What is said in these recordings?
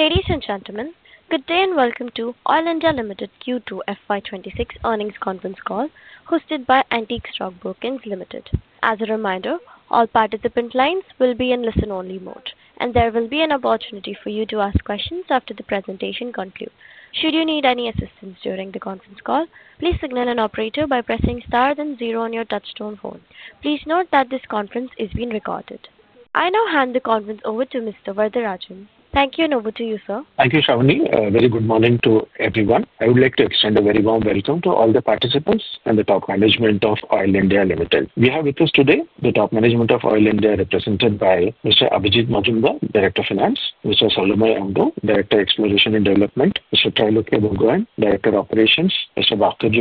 Ladies and gentlemen, good day and welcome to Oil India Limited Q2 FY 2026 Earnings Conference Call, hosted by Antique Stock Broking Limited. As a reminder, all participant lines will be in listen-only mode, and there will be an opportunity for you to ask questions after the presentation concludes. Should you need any assistance during the conference call, please signal an operator by pressing star then zero on your touchstone phone. Please note that this conference is being recorded. I now hand the conference over to Mr. Vardharajan. Thank you, and over to you, sir. Thank you, Shravani. Very good morning to everyone. I would like to extend a very warm welcome to all the participants and the top management of Oil India Limited. We have with us today the top management of Oil India, represented by Mr. Abhijit Majumdar, Director Finance; Mr. Salomon Amdo, Director Exploration and Development; Mr. Trailukya Borgohain, Director Operations; Mr. Bhaskar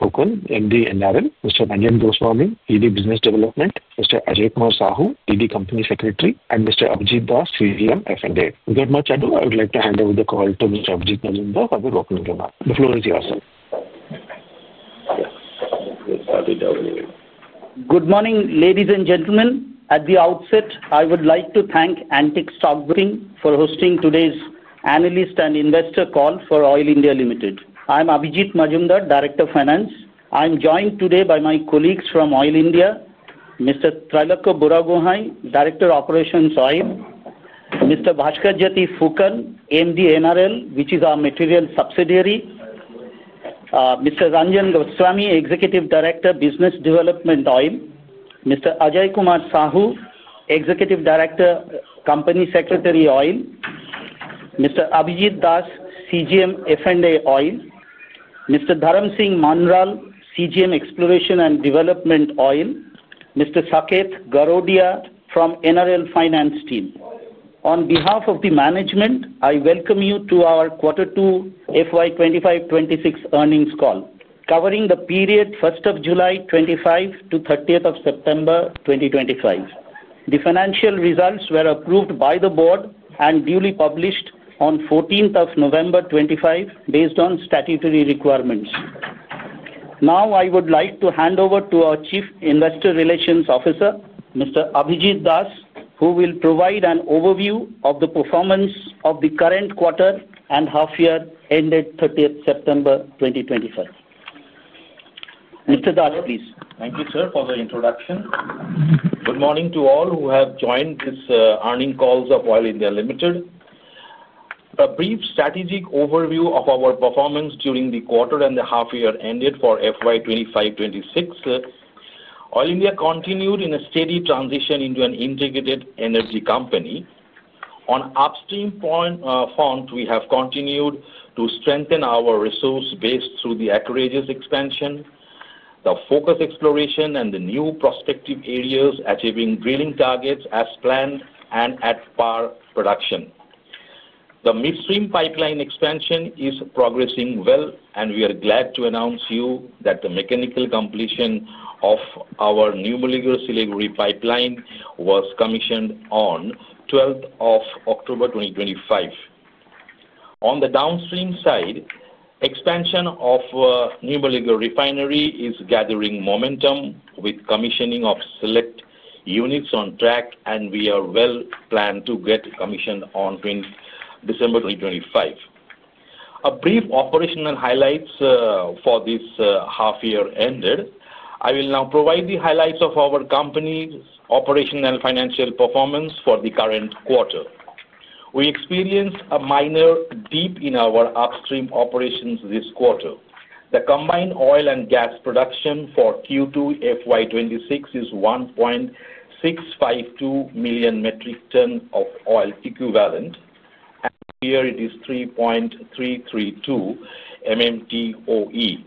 Phukan, MD NRL; Mr. Ranjan Goswami, ED Business Development; Mr. Ajaykumar Sahu, ED Company Secretary; and Mr. Abhijit Das, CGM F&A. Without much ado, I would like to hand over the call to Mr. Abhijit Majumdar for the opening remarks. The floor is yours. Good morning, ladies and gentlemen. At the outset, I would like to thank Antique Stock Broking Limited for hosting today's analyst and investor call for Oil India Limited. I am Abhijit Majumdar, Director Finance. I am joined today by my colleagues from Oil India: Mr. Trailukya Borgohain, Director Operations Oil; Mr. Bhaskar Phukan, MD NRL, which is our material subsidiary; Mr. Ranjan Goswami, Executive Director Business Development Oil; Mr. Ajaykumar Sahu, Executive Director Company Secretary Oil; Mr. Abhijit Das, CGM F&A Oil; Mr. Dharam Singh Mandral, CGM Exploration and Development Oil; Mr. Saket Garodia from NRL Finance Team. On behalf of the management, I welcome you to our Q2 FY 2025-2026 earnings call, covering the period July 1 to September 30, 2025. The financial results were approved by the board and duly published on November 14, 2025, based on statutory requirements. Now, I would like to hand over to our Chief Investor Relations Officer, Mr. Abhijit Das, who will provide an overview of the performance of the current quarter and half-year ended September 30, 2025. Mr. Das, please. Thank you, sir, for the introduction. Good morning to all who have joined this earnings call of Oil India Limited. A brief strategic overview of our performance during the quarter and the half-year ended for FY 2025-2026: Oil India continued in a steady transition into an integrated energy company. On upstream front, we have continued to strengthen our resource base through the acreages expansion, the focus exploration, and the new prospective areas, achieving drilling targets as planned and at par production. The midstream pipeline expansion is progressing well, and we are glad to announce to you that the mechanical completion of our new molecular cellular pipeline was commissioned on October 12, 2025. On the downstream side, expansion of the new molecular refinery is gathering momentum with commissioning of select units on track, and we are well planned to get commissioned on December 2025. A brief operational highlights for this half-year ended. I will now provide the highlights of our company's operational and financial performance for the current quarter. We experienced a minor dip in our upstream operations this quarter. The combined oil and gas production for Q2 FY 2026 is 1.652 million metric tons of oil equivalent, and here it is 3.332 million metric tons.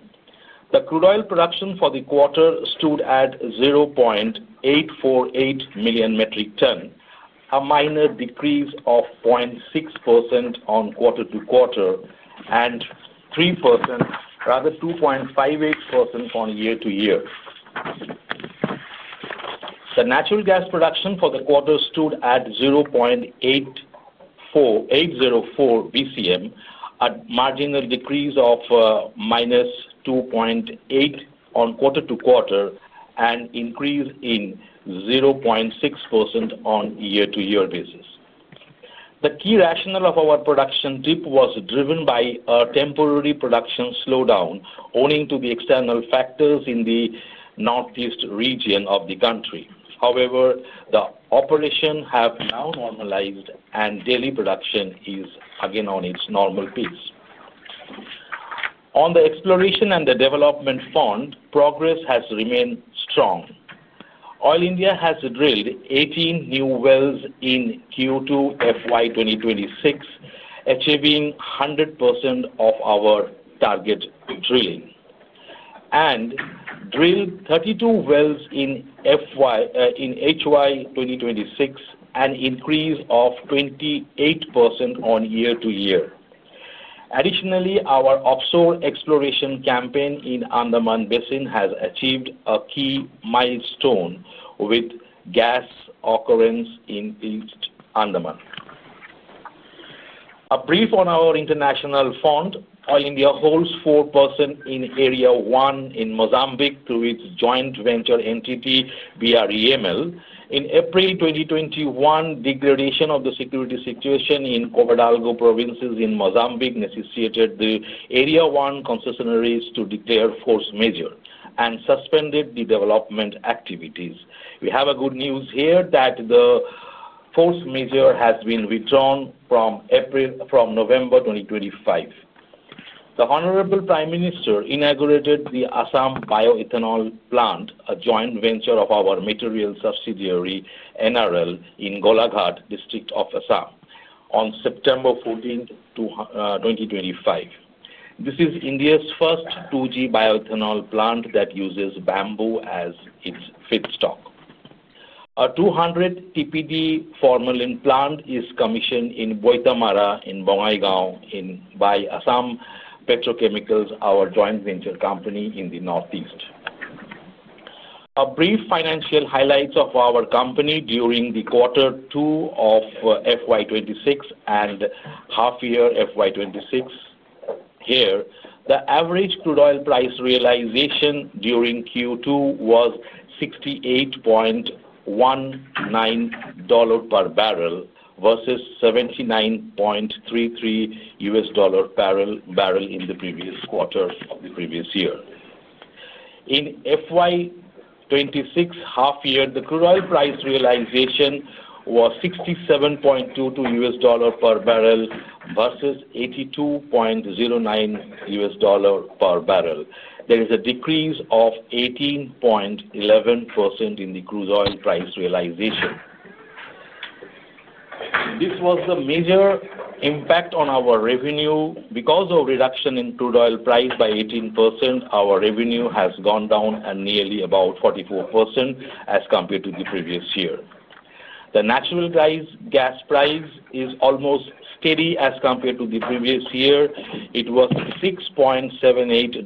The crude oil production for the quarter stood at 0.848 million metric tons, a minor decrease of 0.6% on quarter-to-quarter and 2.58% on year-to-year. The natural gas production for the quarter stood at 0.804 BCM, a marginal decrease of -2.8% on quarter-to-quarter and an increase of 0.6% on year-to-year basis. The key rationale of our production dip was driven by a temporary production slowdown owing to the external factors in the Northeast Region of the country. However, the operations have now normalized, and daily production is again on its normal pace. On the exploration and the development front, progress has remained strong. Oil India has drilled 18 new wells in Q2 FY 2026, achieving 100% of our target drilling, and drilled 32 wells in HY 2026, an increase of 28% on year-to-year. Additionally, our offshore exploration campaign in the Andaman Basin has achieved a key milestone with gas occurrence in East Andaman. A brief on our international front: Oil India holds 4% in Area 1 in Mozambique through its joint venture entity, BREML. In April 2021, degradation of the security situation in Cabo Delgado Province in Mozambique necessitated the Area 1 concessionaries to declare force majeure and suspended the development activities. We have good news here that the force majeure has been withdrawn from November 2025. The Honorable Prime Minister inaugurated the Assam Bio Ethanol Plant, a joint venture of our material subsidiary, NRL, in Golaghat District of Assam on September 14th, 2025. This is India's first 2G bioethanol plant that uses bamboo as its feedstock. A 200 TPD formalin plant is commissioned in Boitamari in Bongaigaon by Assam Petrochemicals, our joint venture company in the northeast. A brief financial highlight of our company during Q2 of FY 2026 and half-year FY 2026: Here, the average crude oil price realization during Q2 was $68.19 per bbl versus $79.33 per bbl in the previous quarter of the previous year. In FY 2026 half-year, the crude oil price realization was $67.22 per bbl versus $82.09 per bbl. There is a decrease of 18.11% in the crude oil price realization. This was the major impact on our revenue. Because of the reduction in crude oil price by 18%, our revenue has gone down nearly about 44% as compared to the previous year. The natural gas price is almost steady as compared to the previous year. It was $6.78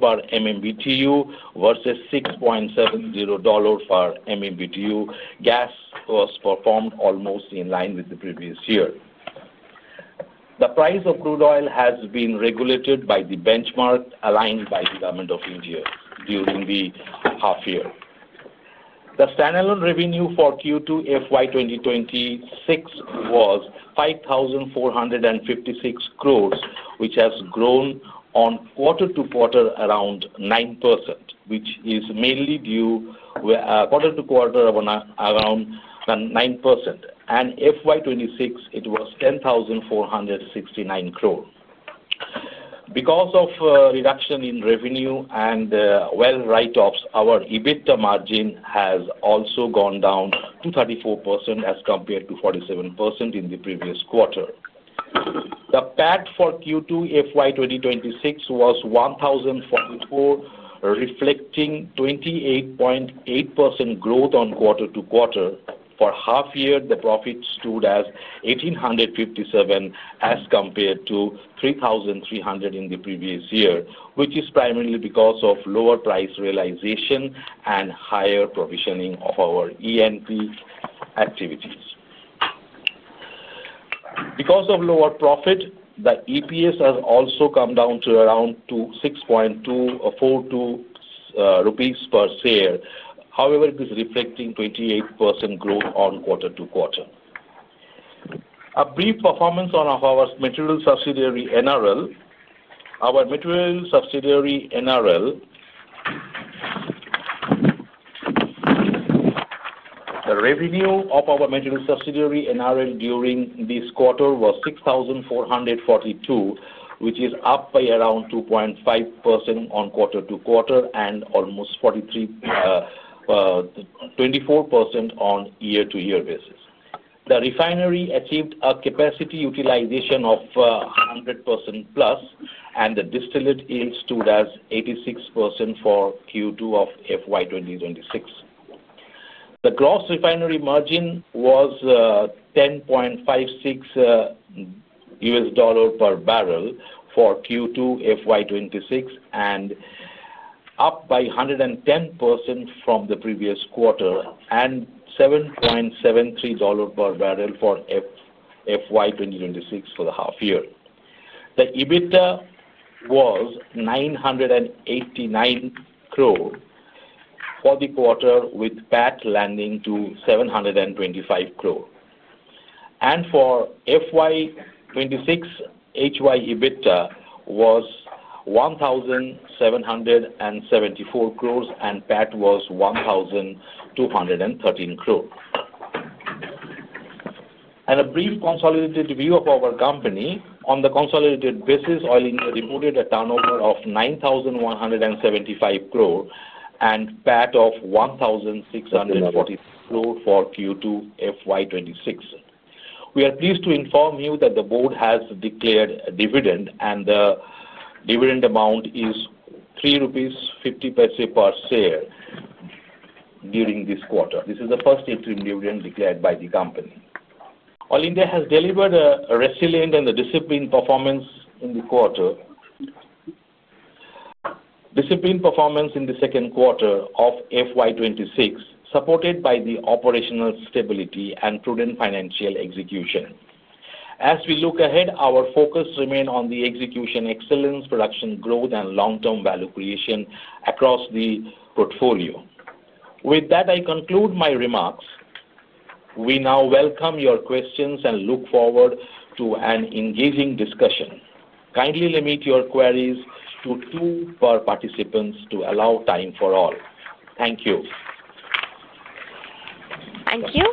per MMBtu versus $6.70 per MMBtu. Gas was performed almost in line with the previous year. The price of crude oil has been regulated by the benchmark aligned by the Government of India during the half-year. The standalone revenue for Q2 FY 2026 was 5,456 crore, which has grown on quarter-to-quarter around 9%, which is mainly due to quarter-to-quarter around 9%. In FY 2026, it was 10,469 crore. Because of the reduction in revenue and well write-offs, our EBITDA margin has also gone down to 34% as compared to 47% in the previous quarter. The PAT for Q2 FY 2026 was INR 1,044 crore, reflecting 28.8% growth on quarter-to-quarter. For half-year, the profit stood at 1,857 crore as compared to 3,300 crore in the previous year, which is primarily because of lower price realization and higher provisioning of our E&P activities. Because of lower profit, the EPS has also come down to around $6.42 per share. However, it is reflecting 28% growth on quarter-to-quarter. A brief performance on our material subsidiary, NRL. Our material subsidiary, NRL, the revenue of our material subsidiary, NRL, during this quarter was 6,442 crore, which is up by around 2.5% on quarter-to-quarter and almost 24% on year-to-year basis. The refinery achieved a capacity utilization of 100%+, and the distillate yield stood at 86% for Q2 of FY 2026. The gross refinery margin was $10.56 per bbl for Q2 FY 2026, and up by 110% from the previous quarter and $7.73 per bbl for FY 2026 for the half-year. The EBITDA was 989 crore for the quarter, with PAT landing to 725 crore. For FY 2026, HY EBITDA was 1,774 crore, and PAT was 1,213 crore. A brief consolidated view of our company: On the consolidated basis, Oil India reported a turnover of 9,175 crore and PAT of 1,643 crore for Q2 FY 2026. We are pleased to inform you that the board has declared a dividend, and the dividend amount is 3.50 rupees per share during this quarter. This is the first interim dividend declared by the company. Oil India has delivered a resilient and disciplined performance in the quarter, disciplined performance in the second quarter of FY 2026, supported by the operational stability and prudent financial execution. As we look ahead, our focus remains on the execution excellence, production growth, and long-term value creation across the portfolio. With that, I conclude my remarks. We now welcome your questions and look forward to an engaging discussion. Kindly limit your queries to two per participant to allow time for all. Thank you. Thank you.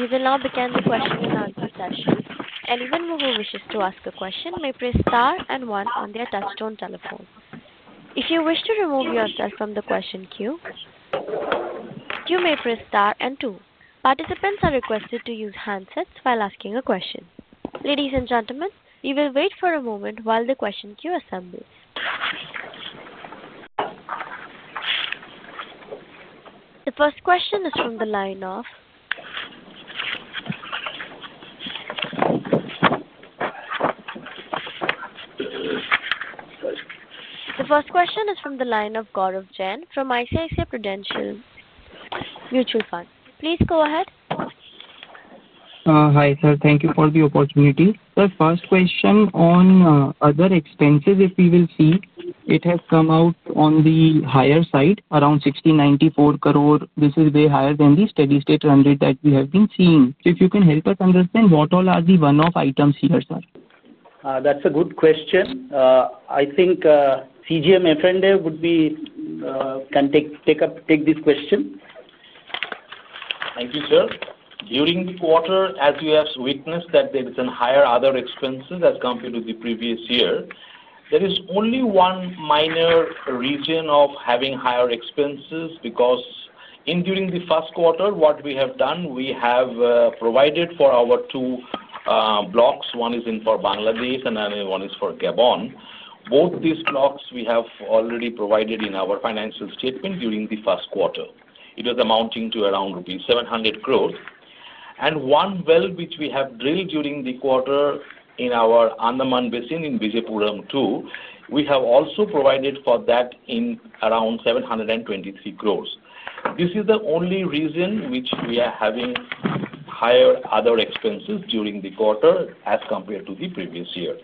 We will now begin the question-and-answer session. Anyone who wishes to ask a question may press star and one on their touchstone telephone. If you wish to remove yourself from the question queue, you may press star and two. Participants are requested to use handsets while asking a question. Ladies and gentlemen, we will wait for a moment while the question queue assembles. The first question is from the line of Gaurav Jain from ICICI Prudential Mutual Fund. Please go ahead. Hi, sir. Thank you for the opportunity. Sir, first question on other expenses, if we will see, it has come out on the higher side, around 6,094 crore. This is way higher than the steady-state rendered that we have been seeing. If you can help us understand, what all are the one-off items here, sir? That's a good question. I think CGM F&A can take this question. Thank you, sir. During the quarter, as we have witnessed that there is a higher other expenses as compared to the previous year, there is only one minor reason of having higher expenses because during the first quarter, what we have done, we have provided for our two blocks. One is in Bangladesh, and one is for Gabon. Both these blocks we have already provided in our financial statement during the first quarter. It was amounting to around rupees 700 crore. And one well which we have drilled during the quarter in our Andaman Basin in Vijayapuram 2, we have also provided for that in around 723 crore. This is the only reason which we are having higher other expenses during the quarter as compared to the previous year.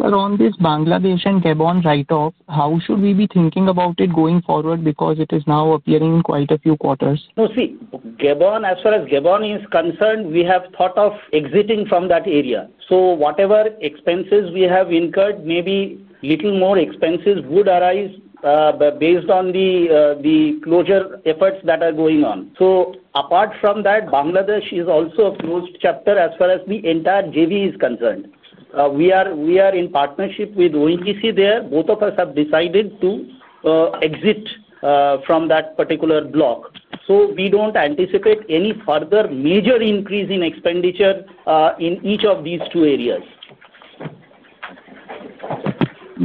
On this Bangladesh and Gabon write-off, how should we be thinking about it going forward because it is now appearing in quite a few quarters? No, see, Gabon, as far as Gabon is concerned, we have thought of exiting from that area. So whatever expenses we have incurred, maybe little more expenses would arise based on the closure efforts that are going on. Apart from that, Bangladesh is also a closed chapter as far as the entire JV is concerned. We are in partnership with ONGC there. Both of us have decided to exit from that particular block. We do not anticipate any further major increase in expenditure in each of these two areas.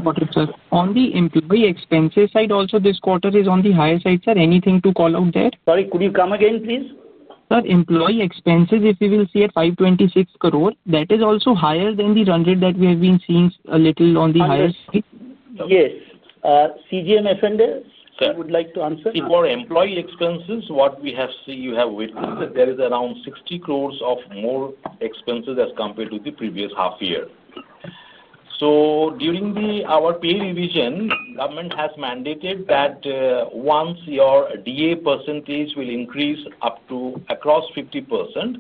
Okay, sir. On the employee expenses side also, this quarter is on the higher side, sir. Anything to call out there? Sorry, could you come again, please? Sir, employee expenses, if we will see at 526 crore, that is also higher than the rendered that we have been seeing a little on the higher side. Yes. CGM F&A, you would like to answer? For employee expenses, what we have seen, you have witnessed that there is around 600,000,000 of more expenses as compared to the previous half-year. During our pay revision, government has mandated that once your DA percentage will increase up to across 50%,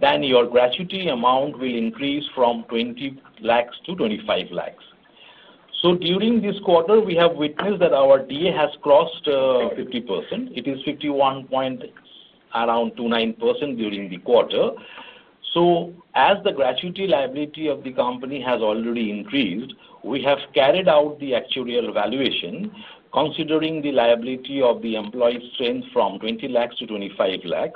then your gratuity amount will increase from 2,000,000 to 2,500,000. During this quarter, we have witnessed that our DA has crossed 50%. It is 51%. Around 29% during the quarter. As the gratuity liability of the company has already increased, we have carried out the actuarial evaluation considering the liability of the employee strength from 2,000,000 to 2,500,000.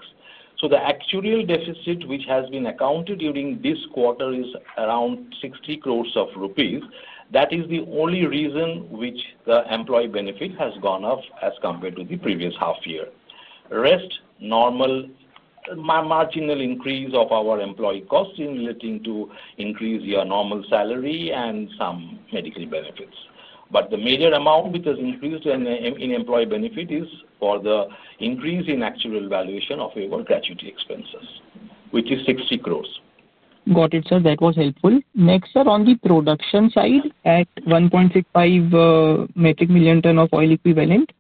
The actuarial deficit which has been accounted during this quarter is around 600,000,000 rupees. That is the only reason which the employee benefit has gone up as compared to the previous half-year. Rest, normal marginal increase of our employee costs in relating to increase your normal salary and some medical benefits. The major amount which has increased in employee benefit is for the increase in actuarial evaluation of your gratuity expenses, which is 60 crore. Got it, sir. That was helpful. Next, sir, on the production side at 1.65 million metric tons of oil equivalent,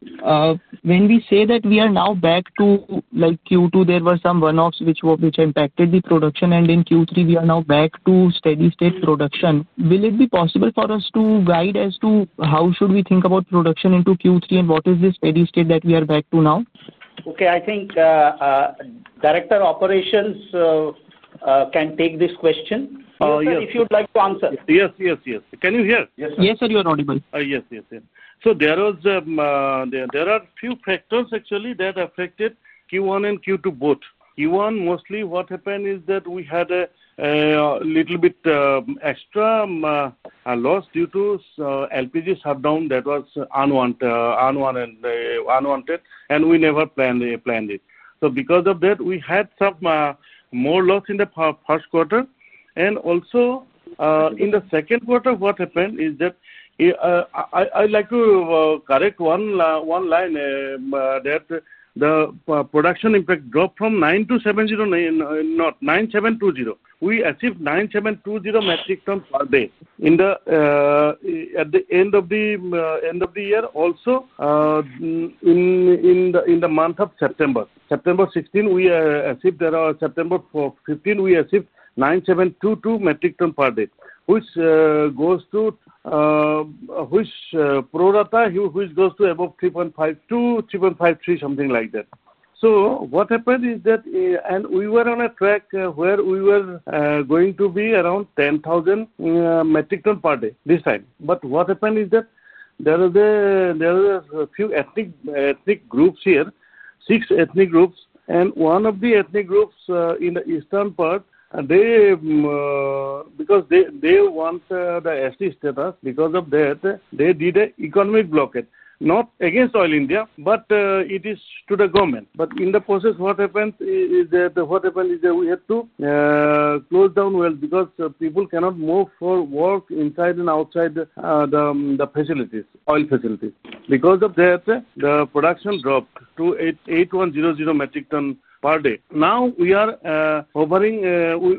when we say that we are now back to Q2, there were some one-offs which impacted the production, and in Q3, we are now back to steady-state production. Will it be possible for us to guide as to how should we think about production into Q3, and what is the steady-state that we are back to now? Okay, I think Director Operations can take this question. If you'd like to answer. Yes, yes. Can you hear? Yes, sir. Yes, sir, you are audible. Yes, yes, yes. There are a few factors actually that affected Q1 and Q2 both. Q1, mostly what happened is that we had a little bit extra loss due to LPG shutdown that was unwanted, and we never planned it. Because of that, we had some more loss in the first quarter. Also, in the second quarter, what happened is that I'd like to correct one line that the production impact dropped from 9 to 709, not 9720. We achieved 9720 metric tons per day at the end of the year also in the month of September. September 16, we achieved, September 15, we achieved 9722 metric tons per day, which Prorata goes to above 3.52, 3.53, something like that. What happened is that we were on a track where we were going to be around 10,000 metric tons per day this time. What happened is that there are a few ethnic groups here, six ethnic groups, and one of the ethnic groups in the eastern part, because they want the ST status, because of that, they did an economic blockade, not against Oil India, but it is to the government. In the process, what happened is that we had to close down well because people cannot move for work inside and outside the facilities, oil facilities. Because of that, the production dropped to 8,100 metric tons per day. Now we are hovering;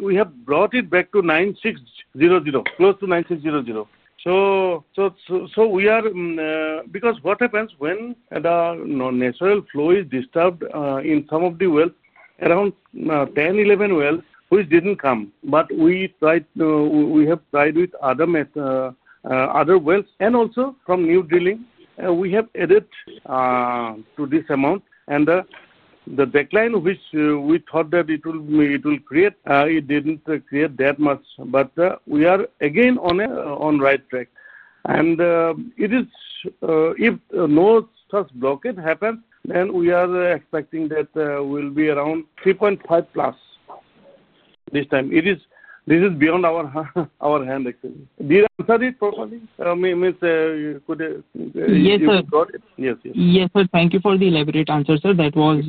we have brought it back to 9,600, close to 9,600. We are, because what happens when the natural flow is disturbed in some of the wells, around 10, 11 wells, which did not come. We tried; we have tried with other wells. Also from new drilling, we have added to this amount. The decline which we thought that it will create, it did not create that much. We are again on the right track. If no such blockade happens, we are expecting that we will be around 3.5+ this time. This is beyond our hand, actually. Did I answer it properly? Yes, sir. Yes, yes. Yes, sir. Thank you for the elaborate answer, sir. That was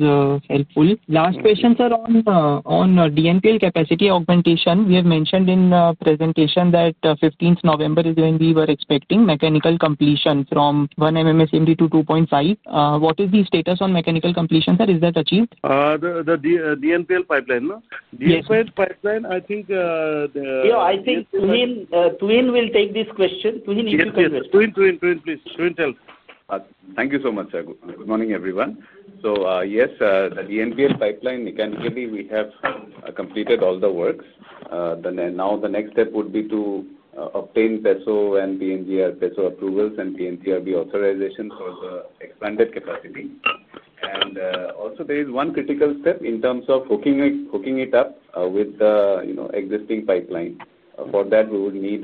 helpful. Last question, sir, on DNPL capacity augmentation. We have mentioned in the presentation that 15th November is when we were expecting mechanical completion from 1 MMSCMD-2.5 MMSCMD. What is the status on mechanical completion, sir? Is that achieved? The DNPL pipeline, no? Yes. DNPL pipeline, I think. Yeah, I think Trailukya will take this question. Trailukya needs to converse. Yes. Trailukya, please. Trailukya, tell. Thank you so much. Good morning, everyone. Yes, the DNPL pipeline, mechanically, we have completed all the works. The next step would be to obtain PESO and PNGRB approvals and PNGRB authorization for the expanded capacity. Also, there is one critical step in terms of hooking it up with the existing pipeline. For that, we would need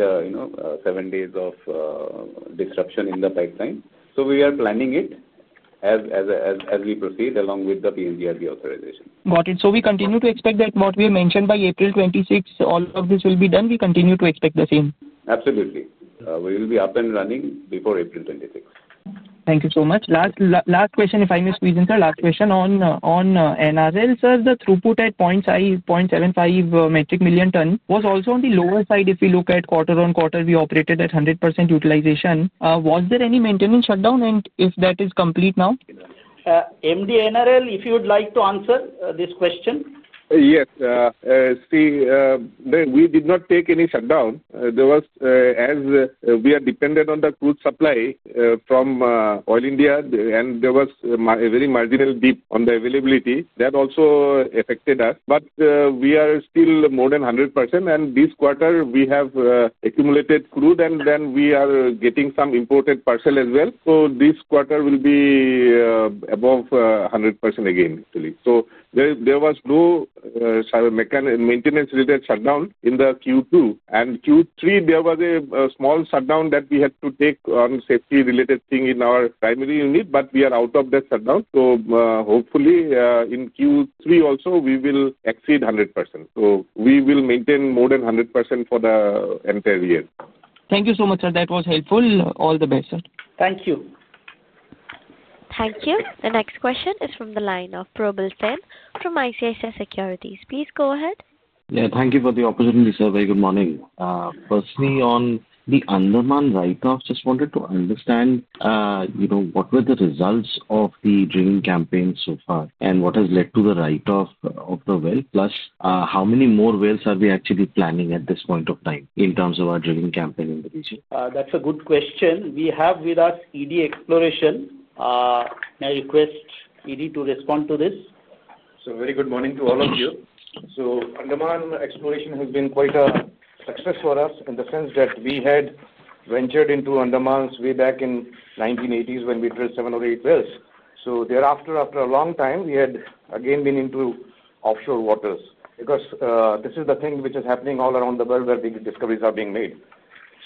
seven days of disruption in the pipeline. We are planning it as we proceed along with the PNGRB authorization. Got it. We continue to expect that what we have mentioned by April 2026, all of this will be done. We continue to expect the same. Absolutely. We will be up and running before April 26. Thank you so much. Last question, if I may squeeze in, sir, last question on NRL. Sir, the throughput at 0.75 million metric ton was also on the lower side if we look at quarter on quarter. We operated at 100% utilization. Was there any maintenance shutdown, and if that is complete now? MD NRL, if you would like to answer this question Yes. See, we did not take any shutdown. As we are dependent on the crude supply from Oil India, and there was a very marginal dip on the availability. That also affected us. We are still more than 100%. This quarter, we have accumulated crude, and then we are getting some imported parcel as well. This quarter will be above 100% again, actually. There was no maintenance-related shutdown in Q2. In Q3, there was a small shutdown that we had to take on a safety-related thing in our primary unit, but we are out of that shutdown. Hopefully, in Q3 also, we will exceed 100%. We will maintain more than 100% for the entire year. Thank you so much, sir. That was helpful. All the best, sir. Thank you. Thank you. The next question is from the line of Probal Sen from ICICI Securities. Please go ahead. Yeah, thank you for the opportunity, sir. Very good morning. Firstly, on the Andaman write-off, just wanted to understand what were the results of the drilling campaign so far and what has led to the write-off of the well? Plus, how many more wells are we actually planning at this point of time in terms of our drilling campaign in the region? That's a good question. We have with us ED Exploration. May I request ED to respond to this? Very good morning to all of you. Andaman exploration has been quite a success for us in the sense that we had ventured into Andaman way back in the 1980s when we drilled seven or eight wells. Thereafter, after a long time, we had again been into offshore waters because this is the thing which is happening all around the world where big discoveries are being made.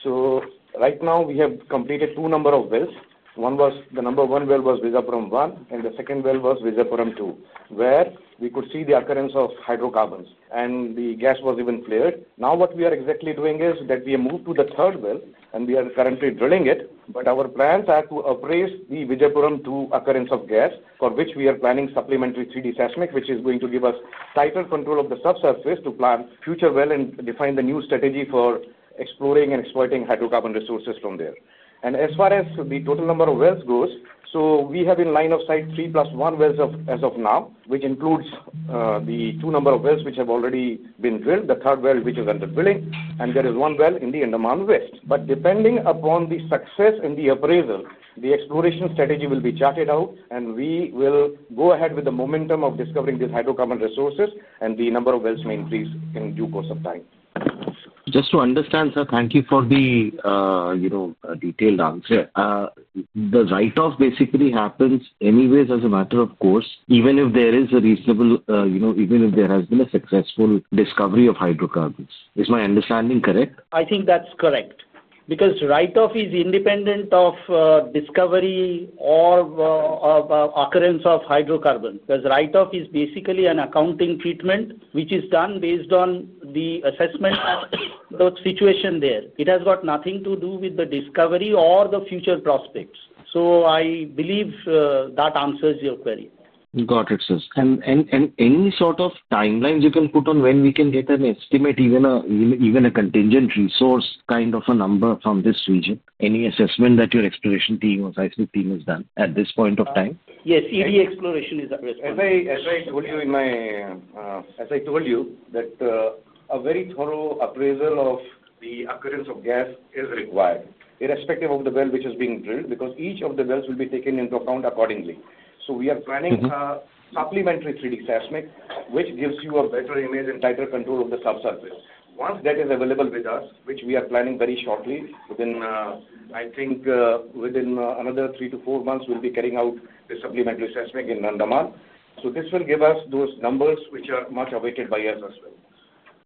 Right now, we have completed two wells. The number one well was Vijayapuram 1, and the second well was Vijayapuram 2, where we could see the occurrence of hydrocarbons, and the gas was even flared. Now what we are exactly doing is that we have moved to the third well, and we are currently drilling it. Our plans are to appraise the Vijayapuram 2 occurrence of gas, for which we are planning supplementary 3D seismic, which is going to give us tighter control of the subsurface to plan future wells and define the new strategy for exploring and exploiting hydrocarbon resources from there. As far as the total number of wells goes, we have in line of sight 3 + 1 wells as of now, which includes the two wells which have already been drilled, the third well which is under drilling, and there is one well in the Andaman West. Depending upon the success in the appraisal, the exploration strategy will be charted out, and we will go ahead with the momentum of discovering these hydrocarbon resources, and the number of wells may increase in due course of time. Just to understand, sir, thank you for the detailed answer. The write-off basically happens anyways as a matter of course, even if there is a reasonable, even if there has been a successful discovery of hydrocarbons. Is my understanding correct? I think that's correct because write-off is independent of discovery or occurrence of hydrocarbons because write-off is basically an accounting treatment which is done based on the assessment of the situation there. It has got nothing to do with the discovery or the future prospects. I believe that answers your query. Got it, sir. Any sort of timelines you can put on when we can get an estimate, even a contingent resource kind of a number from this region? Any assessment that your exploration team or seismic team has done at this point of time? Yes, ED Exploration is a response. As I told you, a very thorough appraisal of the occurrence of gas is required, irrespective of the well which is being drilled because each of the wells will be taken into account accordingly. We are planning supplementary 3D seismic, which gives you a better image and tighter control of the subsurface. Once that is available with us, which we are planning very shortly, I think within another three to four months, we will be carrying out the supplementary seismic in Andaman. This will give us those numbers which are much awaited by us as well.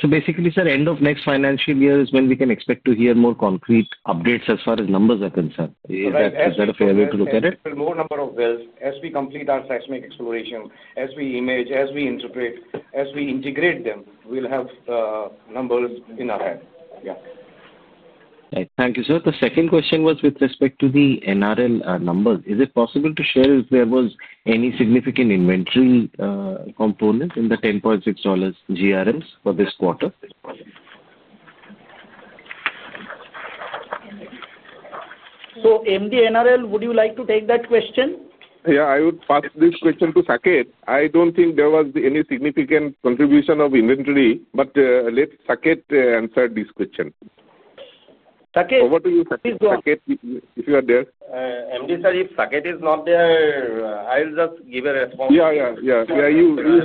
Basically, sir, end of next financial year is when we can expect to hear more concrete updates as far as numbers are concerned. Yes, yes. Is that a fair way to look at it? Yes, yes. More number of wells as we complete our seismic exploration, as we image, as we interpret, as we integrate them, we'll have numbers in our hand. Yeah. Thank you, sir. The second question was with respect to the NRL numbers. Is it possible to share if there was any significant inventory component in the $10.6 GRMs for this quarter? MD NRL, would you like to take that question? Yeah, I would pass this question to Saket. I don't think there was any significant contribution of inventory, but let Saket answer this question. Saket? Over to you, Saket. If you are there. MD sir, if Saket is not there, I'll just give a response. Yeah, you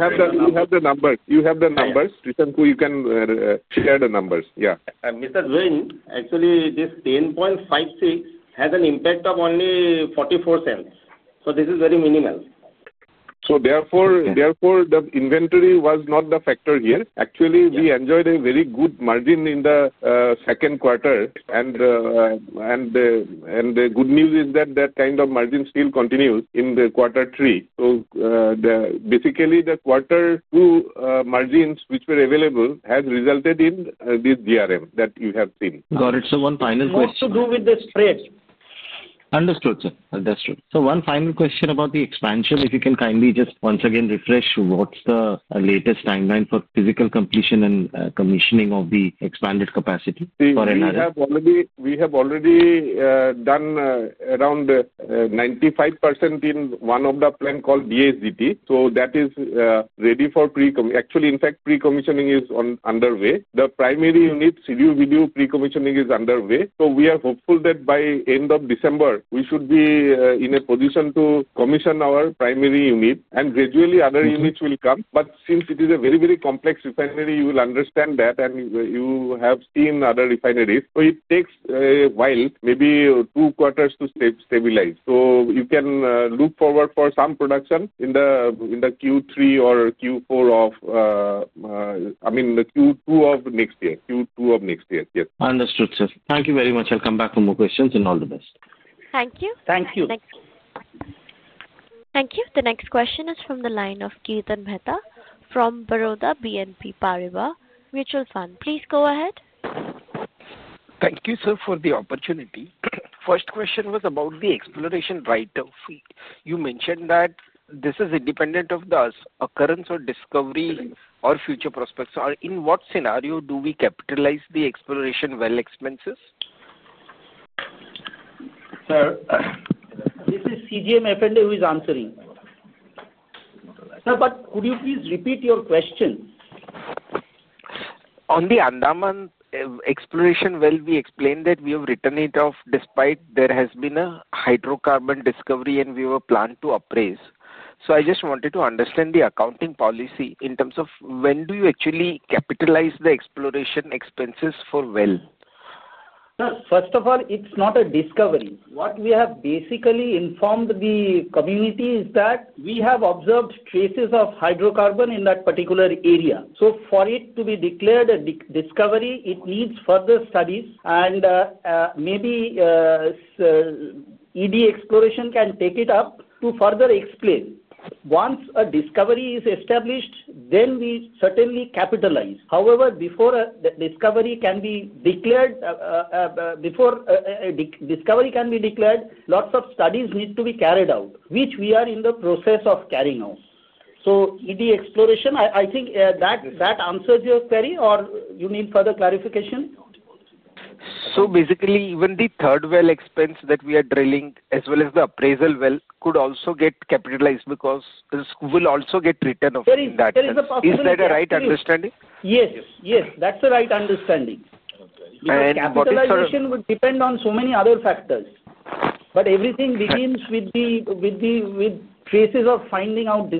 have the numbers. You can share the numbers. Yeah. Mr. Das, actually, this $10.56 has an impact of only $0.44. So this is very minimal. Therefore, the inventory was not the factor here. Actually, we enjoyed a very good margin in the second quarter. The good news is that that kind of margin still continues in quarter three. Basically, the quarter two margins which were available have resulted in this GRM that you have seen. Got it. So one final question. It has to do with the spread. Understood, sir. Understood. So one final question about the expansion. If you can kindly just once again refresh, what's the latest timeline for physical completion and commissioning of the expanded capacity for NRL? We have already done around 95% in one of the plants called DSDT. That is ready for pre-commissioning. Actually, in fact, pre-commissioning is underway. The primary unit, CDU-VDU pre-commissioning is underway. We are hopeful that by end of December, we should be in a position to commission our primary unit. Gradually, other units will come. Since it is a very, very complex refinery, you will understand that, and you have seen other refineries. It takes a while, maybe two quarters to stabilize. You can look forward for some production in the Q3 or Q4 of, I mean, the Q2 of next year. Q2 of next year. Yes. Understood, sir. Thank you very much. I'll come back for more questions and all the best. Thank you. Thank you. Thank you. The next question is from the line of Kirtan Mehta from Baroda BNP Paribas Mutual Fund. Please go ahead. Thank you, sir, for the opportunity. First question was about the exploration write-off fee. You mentioned that this is independent of the occurrence or discovery or future prospects. In what scenario do we capitalize the exploration well expenses? Sir, this is CGM F&A who is answering. Sir, could you please repeat your question? On the Andaman exploration well, we explained that we have written it off despite there has been a hydrocarbon discovery and we were planned to appraise. I just wanted to understand the accounting policy in terms of when do you actually capitalize the exploration expenses for well? Sir, first of all, it's not a discovery. What we have basically informed the community is that we have observed traces of hydrocarbon in that particular area. For it to be declared a discovery, it needs further studies. Maybe ED Exploration can take it up to further explain. Once a discovery is established, then we certainly capitalize. However, before the discovery can be declared, lots of studies need to be carried out, which we are in the process of carrying out. ED Exploration, I think that answers your query, or you need further clarification? Basically, even the third well expense that we are drilling, as well as the appraisal well, could also get capitalized because this will also get written off in that sense. There is a possibility. Is that a right understanding? Yes. Yes. That's a right understanding. Okay. The expansion would depend on so many other factors. Everything begins with the traces of finding out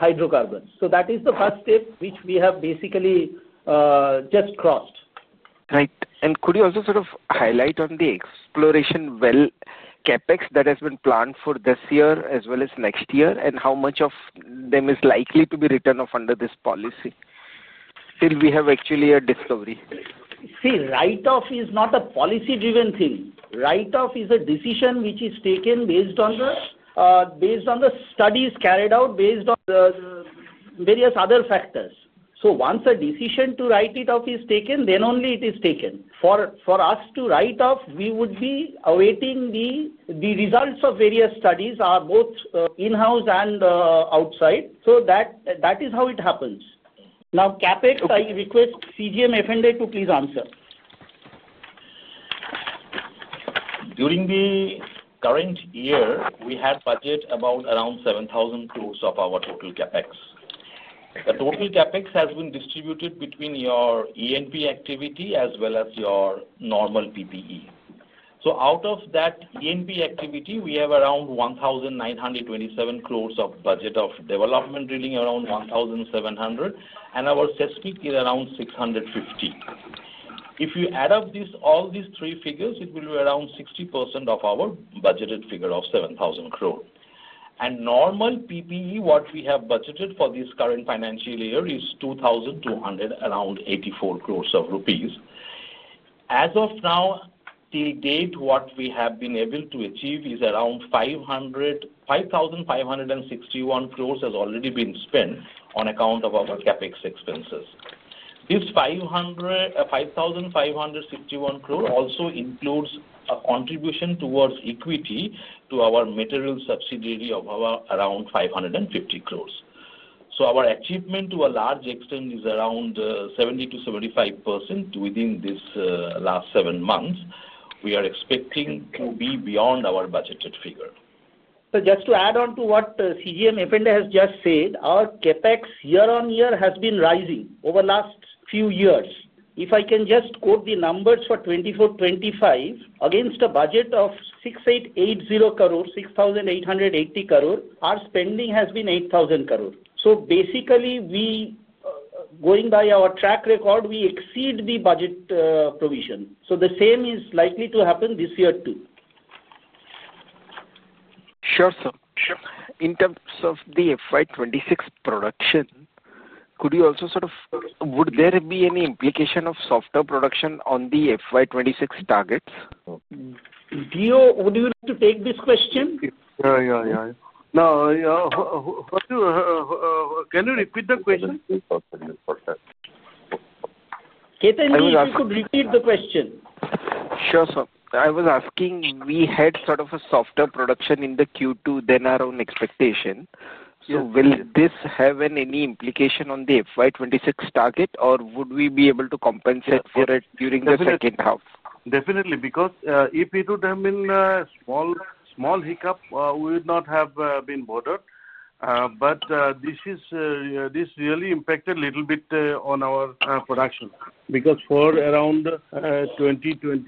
hydrocarbons. That is the first step which we have basically just crossed. Right. Could you also sort of highlight on the exploration well CapEx that has been planned for this year as well as next year, and how much of them is likely to be written off under this policy till we have actually a discovery? See, write-off is not a policy-driven thing. Write-off is a decision which is taken based on the studies carried out, based on various other factors. Once a decision to write it off is taken, then only it is taken. For us to write off, we would be awaiting the results of various studies, both in-house and outside. That is how it happens. Now, CapEx, I request CGM F&A to please answer. During the current year, we had budget about around 7,000 crore of our total CapEx. The total CapExX has been distributed between your ENP activity as well as your normal PPE. Out of that ENP activity, we have around 1,927 crore of budget of development, drilling around 1,700 crore, and our seismic is around 650 crore. If you add up all these three figures, it will be around 60% of our budgeted figure of 7,000 crore. Normal PPE, what we have budgeted for this current financial year is 2,284 crore rupees. As of now, till date, what we have been able to achieve is around 5,561 crore has already been spent on account of our CapEx expenses. This 5,561 crore also includes a contribution towards equity to our material subsidiary of around 550 crore. Our achievement to a large extent is around 70%-75% within this last seven months. We are expecting to be beyond our budgeted figure. Just to add on to what CGM F&A has just said, our CapEx year-on-year has been rising over the last few years. If I can just quote the numbers for 2024-2025, against a budget of 6,880 crore, 6,880 crore, our spending has been 8,000 crore. Basically, going by our track record, we exceed the budget provision. The same is likely to happen this year too. Sure, sir. In terms of the FY 2026 production, could you also sort of would there be any implication of software production on the FY 2026 targets? Do you want to take this question? Yeah. Can you repeat the question? Kirtan sir, if you could repeat the question. Sure, sir. I was asking, we had sort of a softer production in the Q2 than our own expectation. So will this have any implication on the FY 2026 target, or would we be able to compensate for it during the second half? Definitely. Because if it would have been a small hiccup, we would not have been bothered. But this really impacted a little bit on our production because for around 2020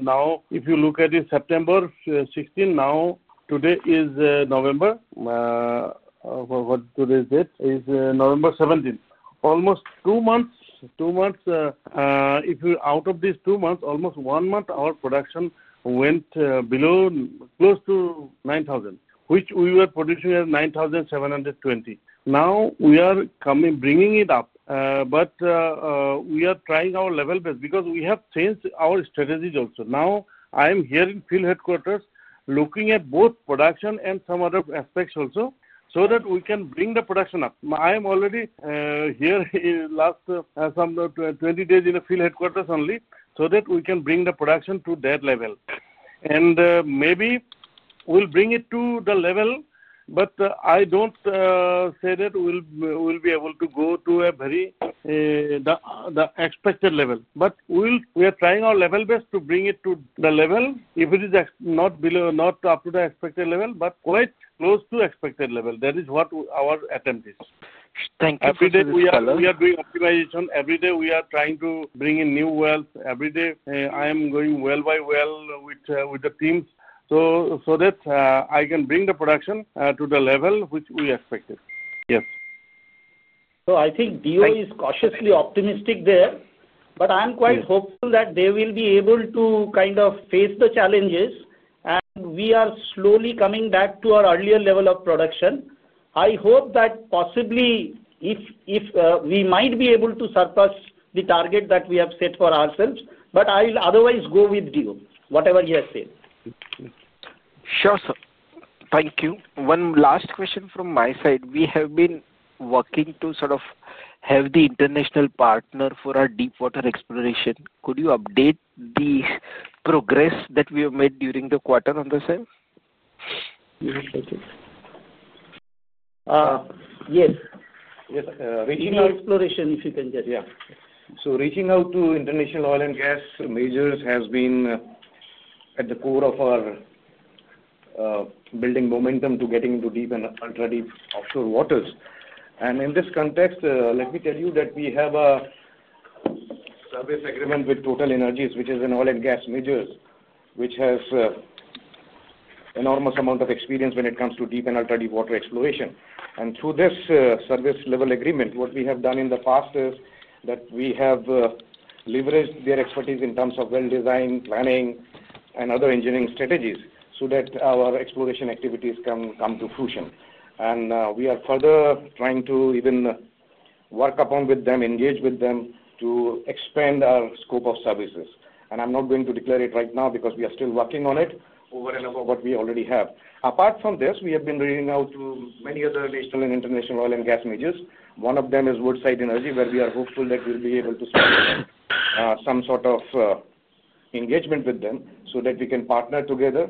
now, if you look at it, September 16 now, today is November. What today is it? It's November 17. Almost two months. If you out of these two months, almost one month, our production went below close to 9,000, which we were producing at 9,720. Now, we are bringing it up, but we are trying our level best because we have changed our strategies also. Now, I am here in field headquarters looking at both production and some other aspects also so that we can bring the production up. I am already here last some 20 days in the field headquarters only so that we can bring the production to that level. Maybe we'll bring it to the level, but I don't say that we'll be able to go to the expected level. We are trying our level best to bring it to the level if it is not up to the expected level, but quite close to expected level. That is what our attempt is. Thank you, sir. Every day, we are doing optimization. Every day, we are trying to bring in new wells. Every day, I am going well by well with the teams so that I can bring the production to the level which we expected. Yes. I think DO is cautiously optimistic there, but I'm quite hopeful that they will be able to kind of face the challenges, and we are slowly coming back to our earlier level of production. I hope that possibly we might be able to surpass the target that we have set for ourselves, but I'll otherwise go with DO, whatever he has said. Sure, sir. Thank you. One last question from my side. We have been working to sort of have the international partner for our deep water exploration. Could you update the progress that we have made during the quarter on the side? Yes. Reaching out. Exploration, if you can just. Yeah. Reaching out to international oil and gas majors has been at the core of our building momentum to getting into deep and ultra-deep offshore waters. In this context, let me tell you that we have a service agreement with Total Energies, which is an oil and gas major, which has an enormous amount of experience when it comes to deep and ultra-deep water exploration. Through this service level agreement, what we have done in the past is that we have leveraged their expertise in terms of well design, planning, and other engineering strategies so that our exploration activities come to fruition. We are further trying to even work upon with them, engage with them to expand our scope of services. I'm not going to declare it right now because we are still working on it over and over what we already have. Apart from this, we have been reaching out to many other national and international oil and gas majors. One of them is Woodside Energy, where we are hopeful that we'll be able to start some sort of engagement with them so that we can partner together.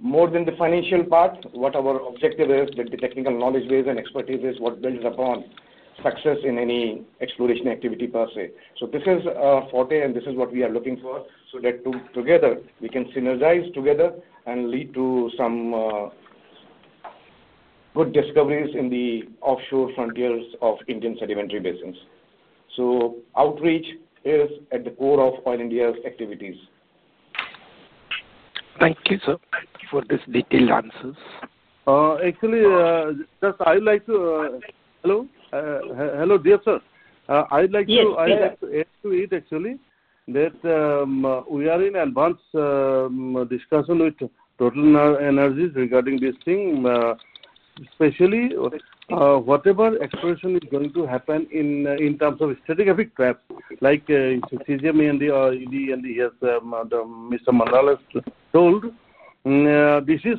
More than the financial part, what our objective is, the technical knowledge base and expertise is what builds upon success in any exploration activity per se. This is our forte, and this is what we are looking for so that together we can synergize together and lead to some good discoveries in the offshore frontiers of Indian sedimentary basins. Outreach is at the core of Oil India's activities. Thank you, sir, for these detailed answers. Actually, just I would like to hello? Hello, dear sir. I would like to add to it, actually, that we are in advance discussion with Total Energies regarding this thing, especially whatever exploration is going to happen in terms of strategic traps. Like CGM and ED and Mr. Manal has told, this is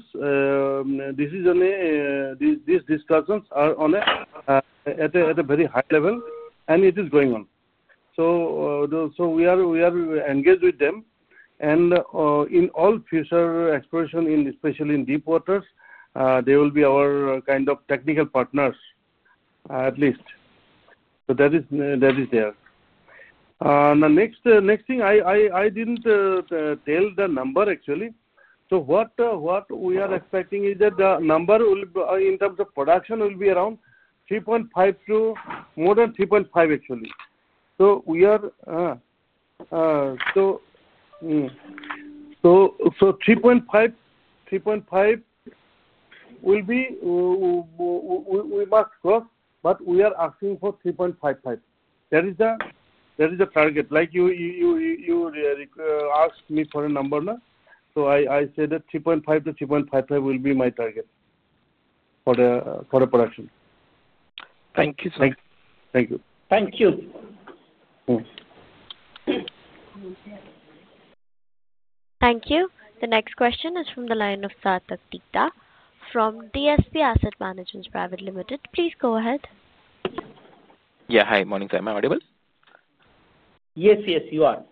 these discussions are at a very high level, and it is going on. We are engaged with them. In all future exploration, especially in deep waters, they will be our kind of technical partners, at least. That is there. The next thing, I did not tell the number, actually. What we are expecting is that the number in terms of production will be around 3.5 to more than 3.5, actually. 3.5 we must cross, but we are asking for 3.55. That is the target. Like you asked me for a number, so I said that 3.5-3.55 will be my target for the production. Thank you, sir. Thank you. Thank you. Thank you. The next question is from the line of [Saatagita] from DSP Asset Management Pvt. Ltd. Please go ahead. Yeah. Hi. Morning time. Am I audible? Yes, yes. You are.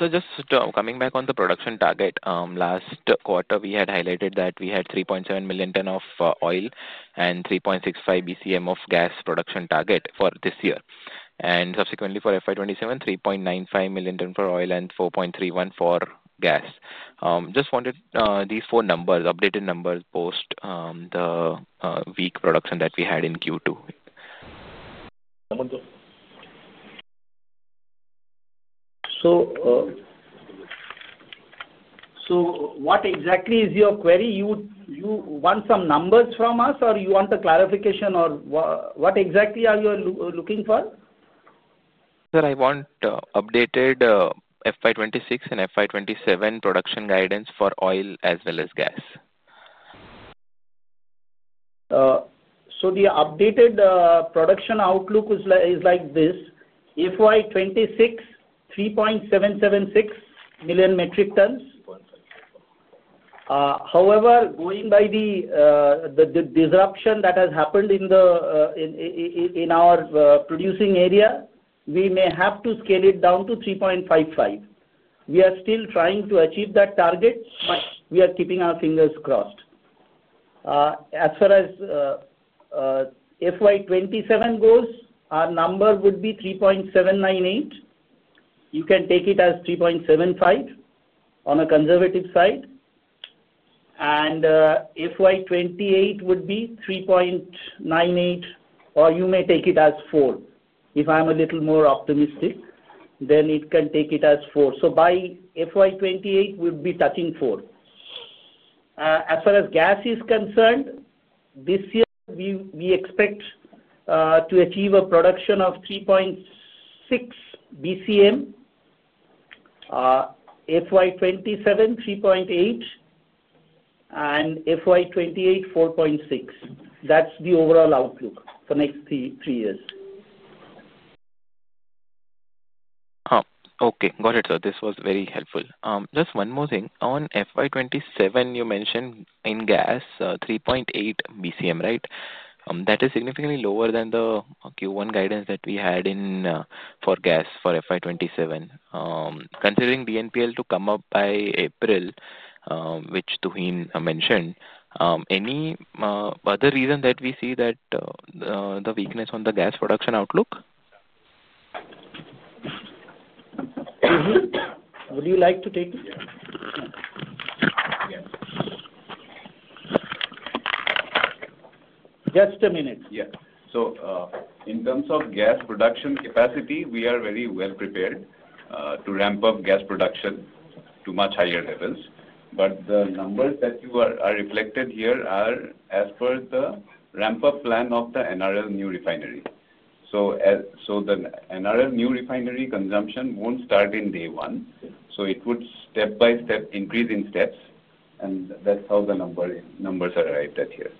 Just coming back on the production target, last quarter, we had highlighted that we had 3.7 million ton of oil and 3.65 BCM of gas production target for this year. Subsequently, for FY 2027, 3.95 million ton for oil and 4.31 for gas. Just wanted these four numbers, updated numbers post the weak production that we had in Q2. What exactly is your query? You want some numbers from us, or you want a clarification? Or what exactly are you looking for? Sir, I want updated FY 2026 and FY 2027 production guidance for oil as well as gas. The updated production outlook is like this: FY 2026, 3.776 million metric tons. However, going by the disruption that has happened in our producing area, we may have to scale it down to 3.55. We are still trying to achieve that target, but we are keeping our fingers crossed. As far as FY 2027 goes, our number would be 3.798. You can take it as 3.75 on a conservative side. FY 2028 would be 3.98, or you may take it as 4. If I'm a little more optimistic, then it can take it as 4. By FY 2028, we'd be touching 4. As far as gas is concerned, this year, we expect to achieve a production of 3.6 BCM, FY 2027, 3.8, and FY 2028, 4.6. That's the overall outlook for next three years. Okay. Got it, sir. This was very helpful. Just one more thing. On FY 2027, you mentioned in gas, 3.8 BCM, right? That is significantly lower than the Q1 guidance that we had for gas for FY 2027. Considering DNPL to come up by April, which Trailukya mentioned, any other reason that we see that the weakness on the gas production outlook? Would you like to take it? Just a minute. Yes. In terms of gas production capacity, we are very well prepared to ramp up gas production to much higher levels. The numbers that you are reflected here are as per the ramp-up plan of the NRL new refinery. The NRL new refinery consumption will not start on day one. It would step by step increase in steps, and that is how the numbers are right at here.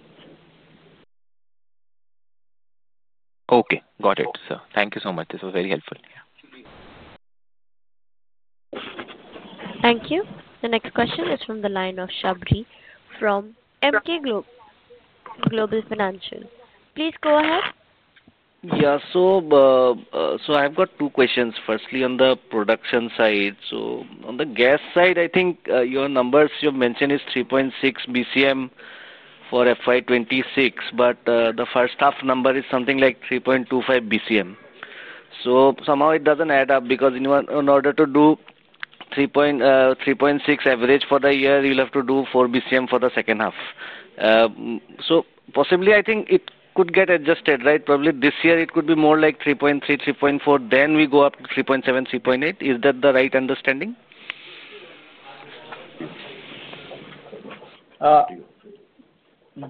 Okay. Got it, sir. Thank you so much. This was very helpful. Thank you. The next question is from the line of [Shabari] from Emkay Global Financial. Please go ahead. Yeah. I've got two questions. Firstly, on the production side. On the gas side, I think your numbers you mentioned is 3.6 BCM for FY 2026, but the first half number is something like 3.25 BCM. It doesn't add up because in order to do 3.6 average for the year, you'll have to do 4 BCM for the second half. Possibly, I think it could get adjusted, right? Probably this year, it could be more like 3.3-3.4, then we go up to 3.7-3.8. Is that the right understanding?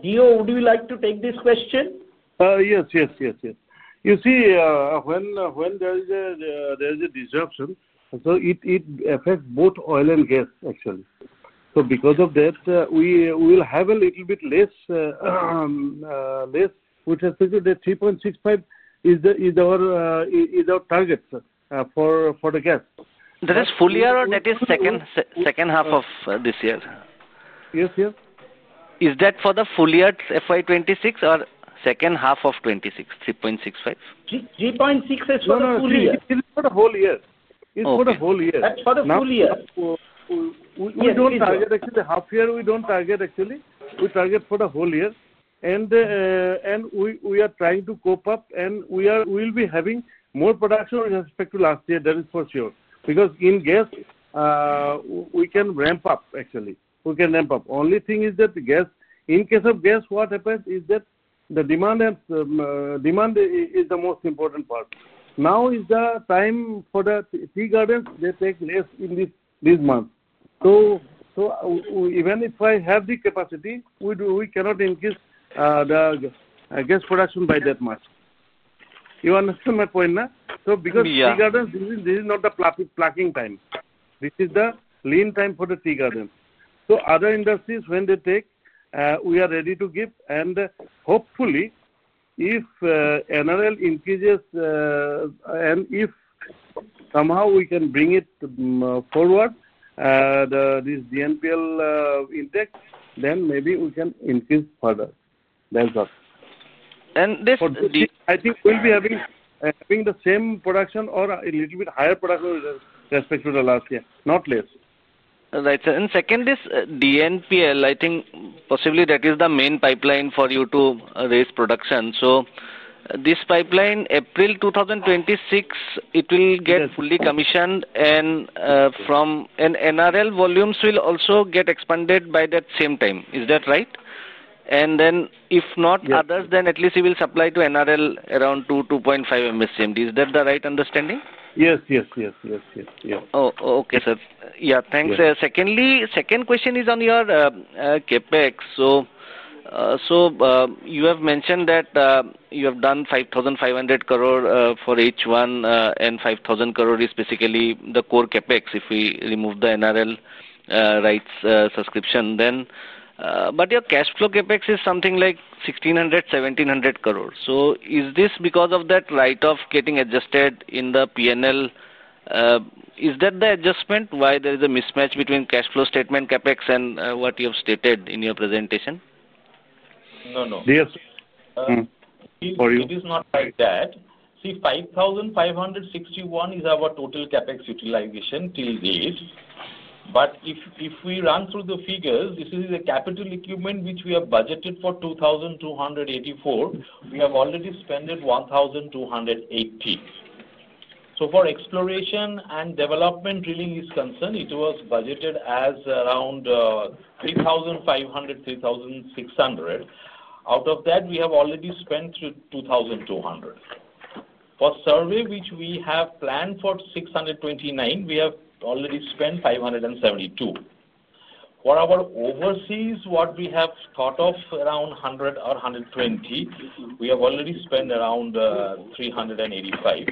DO, would you like to take this question? Yes, yes. You see, when there is a disruption, it affects both oil and gas, actually. Because of that, we will have a little bit less, which is 3.65 is our target for the gas. That is full year or that is second half of this year? Yes, yes. Is that for the full year FY 2026 or second half of 26, 3.65? 3.6 is for the full year. It's for the whole year. That's for the full year. We do not target, actually. Half year, we do not target, actually. We target for the whole year. We are trying to cope up, and we will be having more production with respect to last year. That is for sure. Because in gas, we can ramp up, actually. We can ramp up. Only thing is that gas, in case of gas, what happens is that the demand is the most important part. Now is the time for the tea gardens. They take less in this month. Even if I have the capacity, we cannot increase the gas production by that much. You understand my point, no? Because tea gardens, this is not the plucking time. This is the lean time for the tea gardens. Other industries, when they take, we are ready to give. Hopefully, if NRL increases and if somehow we can bring it forward, this DNPL index, then maybe we can increase further. That is all. And this. I think we'll be having the same production or a little bit higher production with respect to the last year, not less. Right. Second is DNPL. I think possibly that is the main pipeline for you to raise production. This pipeline, April 2026, it will get fully commissioned, and NRL volumes will also get expanded by that same time. Is that right? If not others, then at least we will supply to NRL around 2.5 MMSCMD. Is that the right understanding? Yes. Oh, okay, sir. Yeah. Thanks. Second question is on your CapEx. So you have mentioned that you have done 5,500 crore for H1, and 5,000 crore is basically the core CapEx if we remove the NRL rights subscription. But your cash flow CapEx is something like 1,600 crore-1,700 crore. Is this because of that right of getting adjusted in the P&L? Is that the adjustment why there is a mismatch between cash flow statement, CapEx, and what you have stated in your presentation? No, no. This is not like that. See, 5,561 crore is our total CapEx utilization till date. If we run through the figures, this is the capital equipment which we have budgeted for 2,284 crore. We have already spent 1,280 crore. For exploration and development drilling, it was budgeted as around 3,500 crore-3,600 crore. Out of that, we have already spent 2,200 crore. For survey, which we have planned for 629 crore, we have already spent 572 crore. For our overseas, what we have thought of around 100 or 120 crore, we have already spent around 385 crore.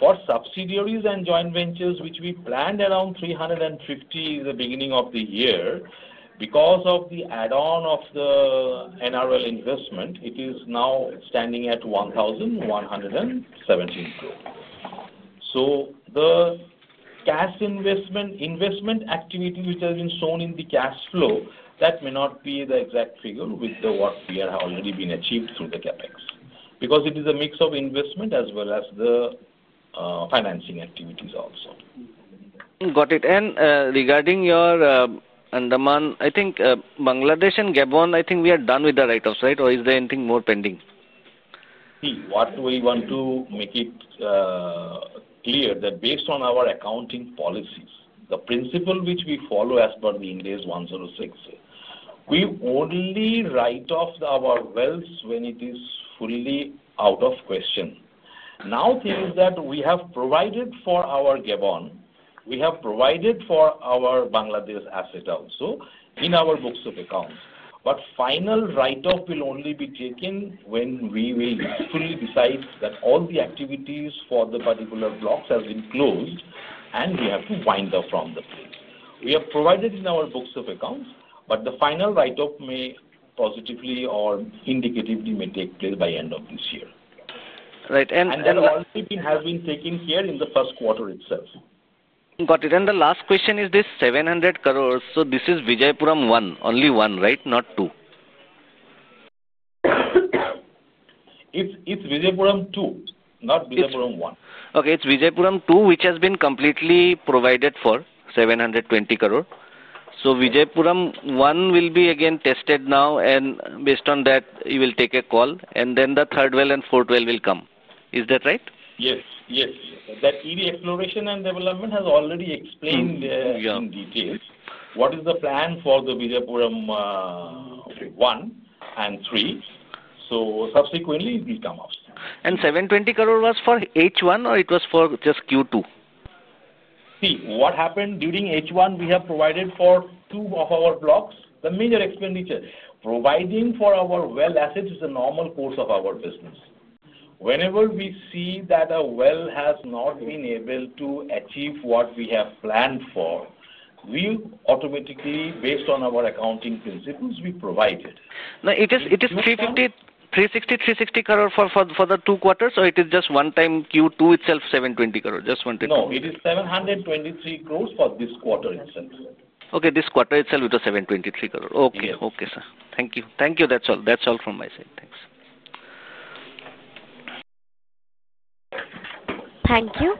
For subsidiaries and joint ventures, which we planned around 350 crore in the beginning of the year, because of the add-on of the NRL investment, it is now standing at 1,117 crore. The cash investment activity which has been shown in the cash flow, that may not be the exact figure with what we have already been achieved through the CapEx. Because it is a mix of investment as well as the financing activities also. Got it. Regarding your Andaman, I think Bangladesh and Gabon, I think we are done with the write-offs, right? Or is there anything more pending? See, what we want to make it clear is that based on our accounting policies, the principle which we follow as per the Ind AS 106, we only write off our well when it is fully out of question. Now, things that we have provided for our Gabon, we have provided for our Bangladesh asset also, in our books of accounts. The final write-off will only be taken when we fully decide that all the activities for the particular blocks have been closed, and we have to wind up from the place. We have provided in our books of accounts, but the final write-off may positively or indicatively take place by end of this year. Right. And. That also has been taken here in the first quarter itself. Got it. The last question is this 700 crore. This is Vijayapuram 1, only 1, right? Not 2? It's Vijayapuram 2, not Vijayapuram 1. Okay. It's Vijayapuram 2, which has been completely provided for 720 crore. Vijayapuram 1 will be again tested now, and based on that, you will take a call. The third well and fourth well will come. Is that right? Yes, yes. That EV exploration and development has already explained in detail what is the plan for the Vijayapuram 1 and 3. Subsequently, we come up. 720 crore was for H1, or it was for just Q2? See, what happened during H1, we have provided for two of our blocks. The major expenditure providing for our well assets is a normal course of our business. Whenever we see that a well has not been able to achieve what we have planned for, we automatically, based on our accounting principles, we provide it. No, it is 360 crore for the two quarters, or it is just one time Q2 itself, 720 crore? Just 120? No, it is 723 crore for this quarter itself. Okay. This quarter itself, it was 723 crore. Okay, okay, sir. Thank you. Thank you. That's all. That's all from my side. Thanks. Thank you.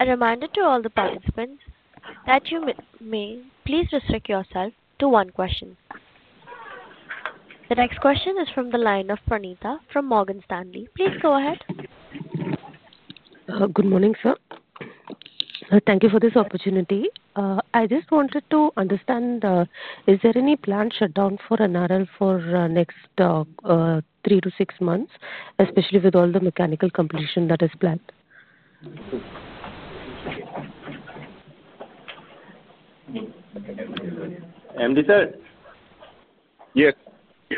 A reminder to all the participants that you may please restrict yourself to one question. The next question is from the line of [Pranitha] from Morgan Stanley. Please go ahead. Good morning, sir. Thank you for this opportunity. I just wanted to understand, is there any planned shutdown for NRL for next three to six months, especially with all the mechanical completion that is planned? MD sir? Yes.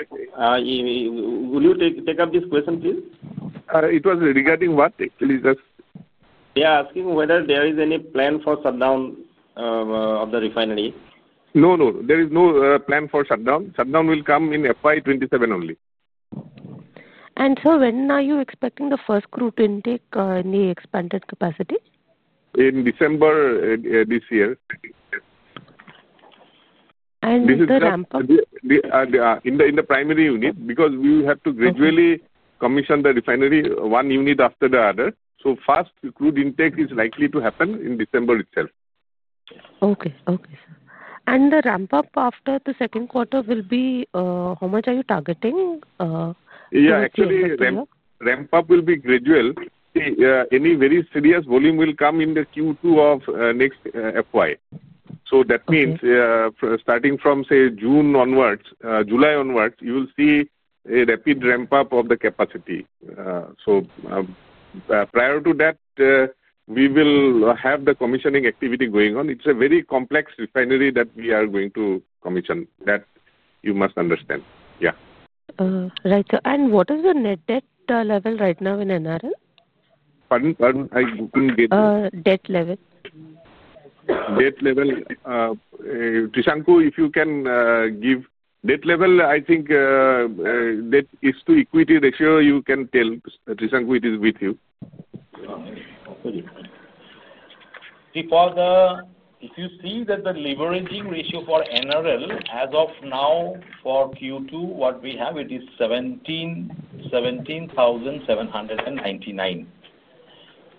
Will you take up this question, please? It was regarding what, actually? Just. Yeah. Asking whether there is any plan for shutdown of the refinery? No, no. There is no plan for shutdown. Shutdown will come in FY 2027 only. Sir, when are you expecting the first crore to intake in the expanded capacity? In December this year. In the ramp-up? In the primary unit, because we have to gradually commission the refinery one unit after the other. Fast crude intake is likely to happen in December itself. Okay, okay, sir. The ramp-up after the second quarter will be how much are you targeting? Yeah. Actually, ramp-up will be gradual. See, any very serious volume will come in the Q2 of next FY. That means starting from, say, June onwards, July onwards, you will see a rapid ramp-up of the capacity. Prior to that, we will have the commissioning activity going on. It's a very complex refinery that we are going to commission. That you must understand. Yeah. Right. What is the net debt level right now in NRL? Pardon? I couldn't get you. Debt level? Debt level? Trailukya, if you can give debt level, I think debt is to equity ratio. You can tell Trailukya, it is with you. See, if you see that the leveraging ratio for NRL as of now for Q2, what we have, it is 17,799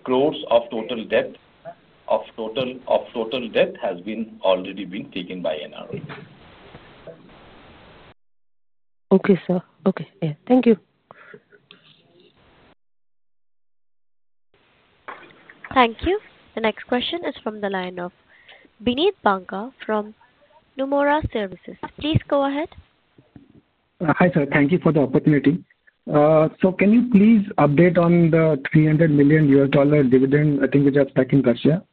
crore of total debt of total debt has already been taken by NRL. Okay, sir. Okay. Yeah. Thank you. Thank you. The next question is from the line of Bineet Banka from Nomura Services. Please go ahead. Hi sir. Thank you for the opportunity. Can you please update on the $300 million dividend, I think, which are stuck in Russia?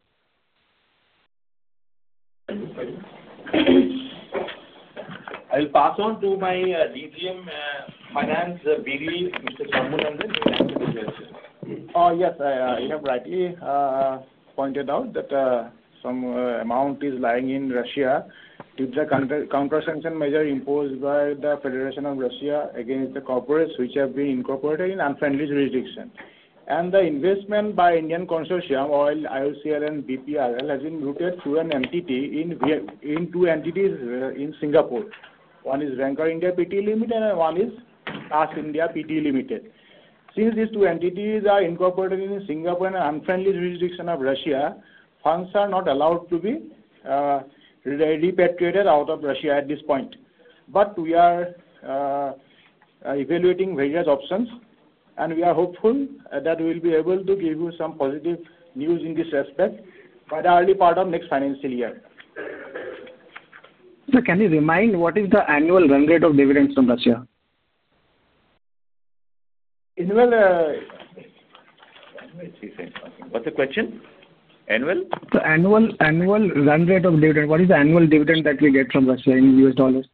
I'll pass on to my DGM Finance, Bineet, Mr. Majumdar. Yes. You have rightly pointed out that some amount is lying in Russia due to the counter-sanction measure imposed by the Federation of Russia against the corporates which have been incorporated in unfriendly jurisdiction. The investment by Indian Consortium, Oil, IOCL, and BPRL has been routed through an entity in two entities in Singapore. One is Ranker India Pte Limited and one is TAS India Pte Limited. Since these two entities are incorporated in Singapore and unfriendly jurisdiction of Russia, funds are not allowed to be repatriated out of Russia at this point. We are evaluating various options, and we are hopeful that we will be able to give you some positive news in this respect by the early part of next financial year. Sir, can you remind what is the annual run rate of dividends from Russia? Annual? What's the question? Annual? The annual run rate of dividend. What is the annual dividend that we get from Russia in US dollars?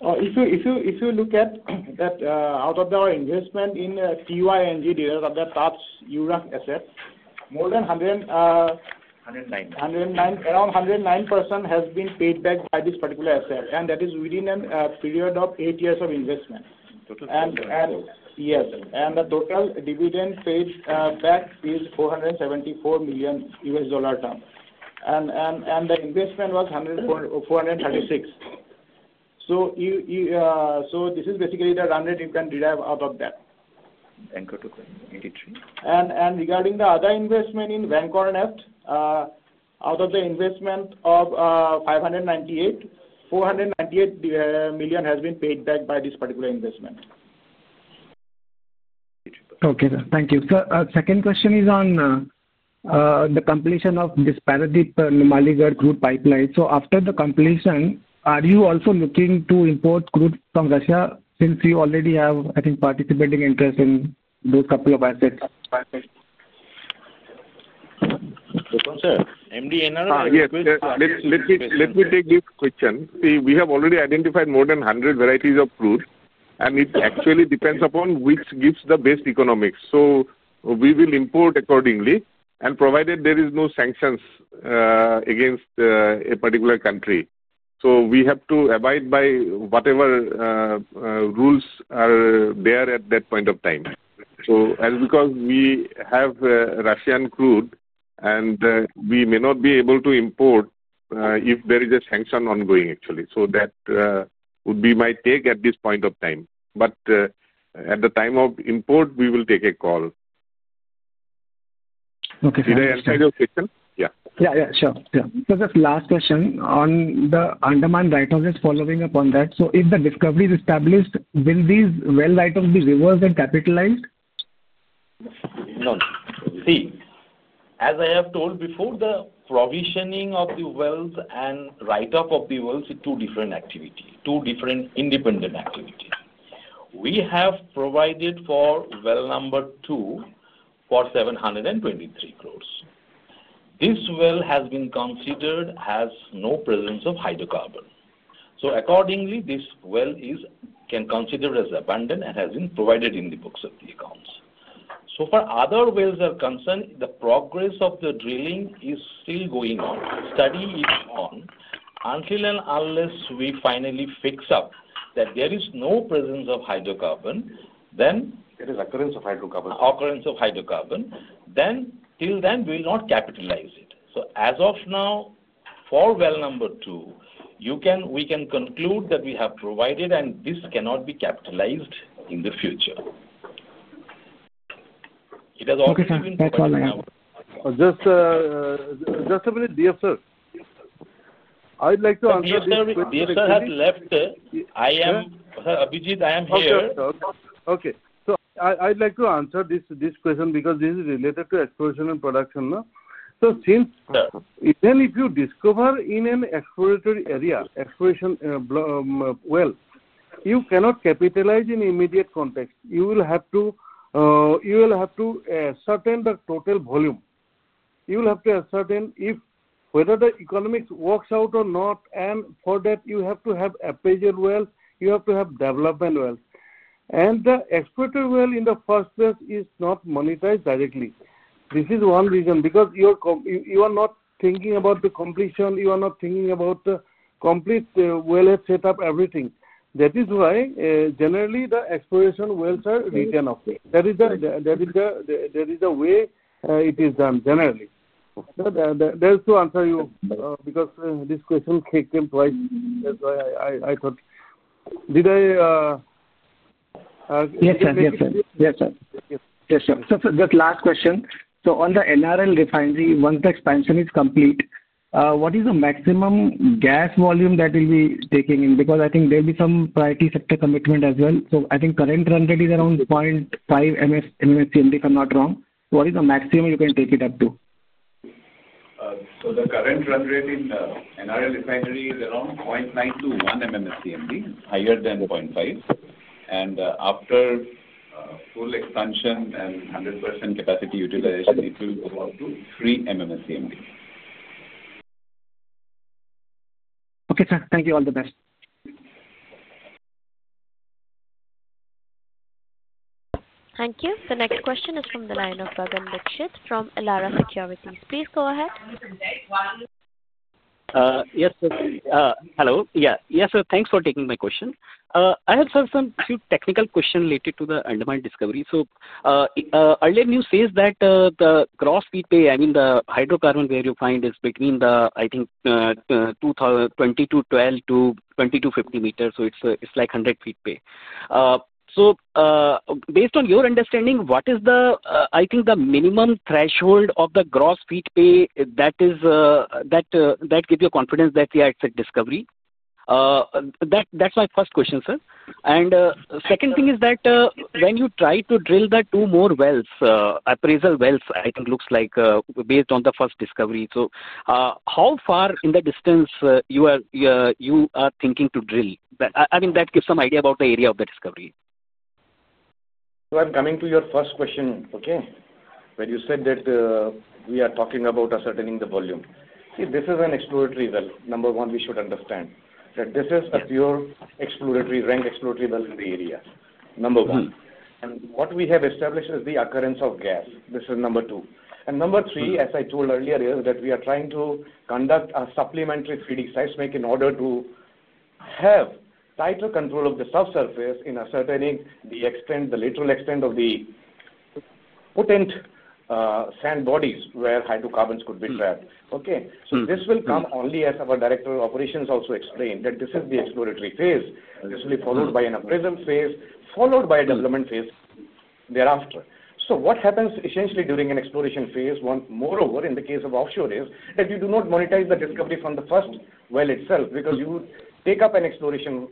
If you look at that, out of our investment in TYNG, of the TAS India Pte Limited asset, more than 100%. 109%. Around 109% has been paid back by this particular asset. That is within a period of eight years of investment. Total dividend? Yes. The total dividend paid back is $474 million U.S. dollar term. The investment was $436 million. This is basically the run rate you can derive out of that. Ranker 283. Regarding the other investment in Ranker Neft, out of the investment, $498 million has been paid back by this particular investment. Okay. Thank you. Sir, second question is on the completion of this Paradeep Numaligarh crude pipeline. After the completion, are you also looking to import crude from Russia since you already have, I think, participating interest in those couple of assets? Sir, MD, NRL? Yes. Let me take this question. See, we have already identified more than 100 varieties of crude, and it actually depends upon which gives the best economics. We will import accordingly, provided there are no sanctions against a particular country. We have to abide by whatever rules are there at that point of time. Because we have Russian crude, and we may not be able to import if there is a sanction ongoing, actually. That would be my take at this point of time. At the time of import, we will take a call. Okay. Sir. Is there any kind of question? Yeah. Yeah, sure. Yeah. Just last question on the Andaman write-off is following up on that. If the discovery is established, will these well write-offs be reversed and capitalized? No. See, as I have told before, the provisioning of the wells and write-off of the wells is two different activities, two different independent activities. We have provided for well number two for 723 crore. This well has been considered as no presence of hydrocarbon. Accordingly, this well can be considered as abandoned and has been provided in the books of the accounts. For other wells that are concerned, the progress of the drilling is still going on. Study is on. Until and unless we finally fix up that there is no presence of hydrocarbon, then. There is occurrence of hydrocarbon. Occurrence of hydrocarbon, then till then, we will not capitalize it. As of now, for well number two, we can conclude that we have provided, and this cannot be capitalized in the future. It has also been provided. Okay. Just a minute, DF sir. I'd like to answer. DF sir, we have left. Abhijit, I am here. Okay. I'd like to answer this question because this is related to exploration and production. Even if you discover in an exploratory area, exploration well, you cannot capitalize in immediate context. You will have to ascertain the total volume. You will have to ascertain whether the economics works out or not. For that, you have to have a pressure well. You have to have a development well. The exploratory well in the first place is not monetized directly. This is one reason. Because you are not thinking about the completion, you are not thinking about the complete well setup, everything. That is why generally the exploration wells are retained off. That is the way it is done generally. That's to answer you because this question came twice. That's why I thought, did I? Yes, sir. Sir, just last question. On the NRL refinery, once the expansion is complete, what is the maximum gas volume that will be taken in? Because I think there will be some priority sector commitment as well. I think current run rate is around 0.5 MMSCMD, if I'm not wrong. What is the maximum you can take it up to? The current run rate in NRL refinery is around 0.921 MMSCMD, higher than 0.5. After full expansion and 100% capacity utilization, it will go up to 3 MMSCMD. Okay, sir. Thank you. All the best. Thank you. The next question is from the line of Bhavan from Elara Securities. Please go ahead. Yes, sir. Hello. Yeah. Yes, sir. Thanks for taking my question. I have some technical questions related to the Andaman discovery. Earlier news says that the gross feed pay, I mean, the hydrocarbon where you find is between, I think, 12 to 20 to 50 m. It is like 100 ft pay. Based on your understanding, what is the, I think, the minimum threshold of the gross feed pay that gives you confidence that, yeah, it is a discovery? That is my first question, sir. Second thing is that when you try to drill the two more wells, appraisal wells, I think looks like based on the first discovery. How far in the distance you are thinking to drill? I mean, that gives some idea about the area of the discovery. I'm coming to your first question, okay? When you said that we are talking about asserting the volume. See, this is an exploratory well. Number one, we should understand that this is a pure exploratory, exploratory well in the area. Number one. What we have established is the occurrence of gas. This is number two. Number three, as I told earlier, is that we are trying to conduct a supplementary feeding seismic in order to have tighter control of the subsurface in asserting the extent, the lateral extent of the potent sand bodies where hydrocarbons could be trapped. This will come only as our Director of Operations also explained that this is the exploratory phase. This will be followed by an appraisal phase, followed by a development phase thereafter. What happens essentially during an exploration phase, moreover in the case of offshore, is that you do not monetize the discovery from the first well itself because you take up an exploration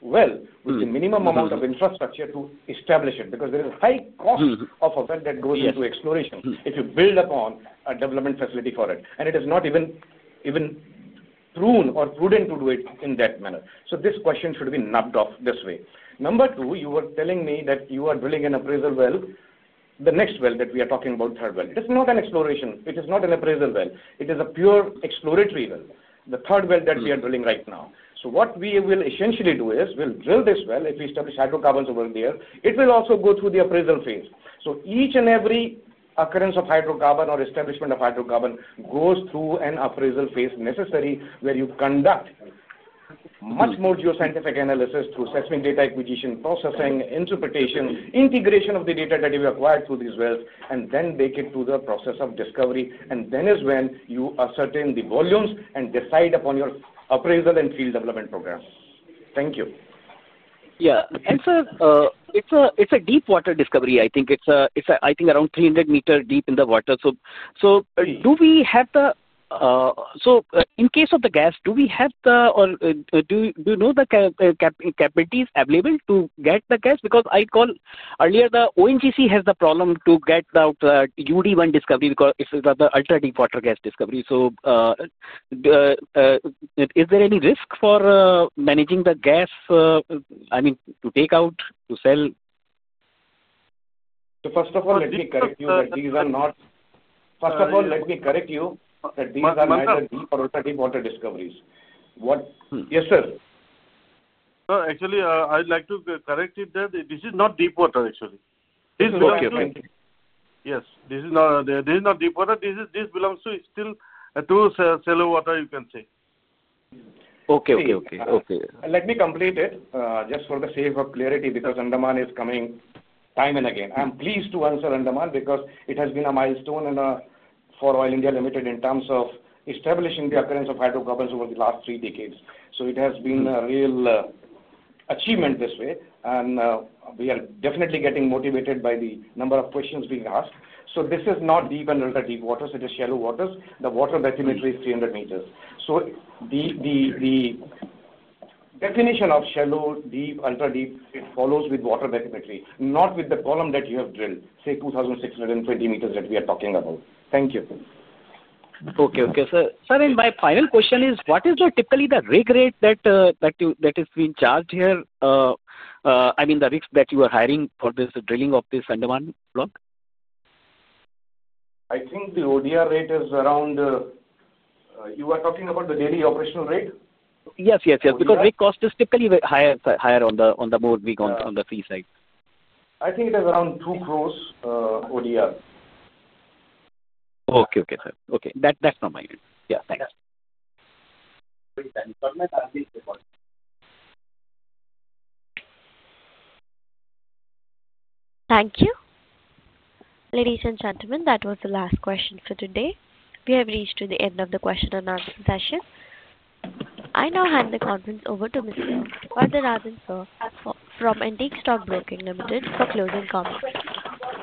well with the minimum amount of infrastructure to establish it. There is a high cost of a well that goes into exploration if you build upon a development facility for it, and it is not even prudent to do it in that manner. This question should be knocked off this way. Number two, you were telling me that you are drilling an appraisal well, the next well that we are talking about, third well. It is not an exploration, it is not an appraisal well. It is a pure exploratory well, the third well that we are drilling right now. What we will essentially do is we'll drill this well. If we establish hydrocarbons over there, it will also go through the appraisal phase. Each and every occurrence of hydrocarbon or establishment of hydrocarbon goes through an appraisal phase necessary where you conduct much more geoscientific analysis through seismic data acquisition, processing, interpretation, integration of the data that you acquired through these wells, and then make it to the process of discovery. That is when you ascertain the volumes and decide upon your appraisal and field development program. Thank you. Yeah. Sir, it's a deep water discovery, I think. It's, I think, around 300 m deep in the water. Do we have the, so in case of the gas, do we have the, or do you know the capabilities available to get the gas? Because I recall earlier the ONGC has the problem to get the UD1 discovery because it's an ultra-deep water gas discovery. Is there any risk for managing the gas, I mean, to take out, to sell? First of all, let me correct you that these are neither deep nor ultra-deep water discoveries. What. Yes, sir. Actually, I'd like to correct it that this is not deep water, actually. Okay. Yes. This is not deep water. This belongs to still to shallow water, you can say. Okay. Let me complete it just for the sake of clarity because Andaman is coming time and again. I'm pleased to answer Andaman because it has been a milestone for Oil India Limited in terms of establishing the occurrence of hydrocarbons over the last three decades. It has been a real achievement this way. We are definitely getting motivated by the number of questions being asked. This is not deep and ultra-deep waters. It is shallow waters. The water bathymetry is 300 m. The definition of shallow, deep, ultra-deep, it follows with water bathymetry, not with the column that you have drilled, say, 2,620 m that we are talking about. Thank you. Okay. Okay. Sir. Sir, my final question is, what is typically the rig rate that is being charged here? I mean, the rigs that you are hiring for this drilling of this Andaman block? I think the ODR rate is around, you were talking about the daily operational rate? Yes. Yes. Yes. Because rig cost is typically higher on the board week on the seaside. I think it is around 20,000,000 ODR. Okay. Okay. Sir. Okay. That's from my end. Yeah. Thanks. Thank you. Ladies and gentlemen, that was the last question for today. We have reached the end of the question and answer session. I now hand the conference over to Mr. Vardharajan from Antique Stock Broking Limited for closing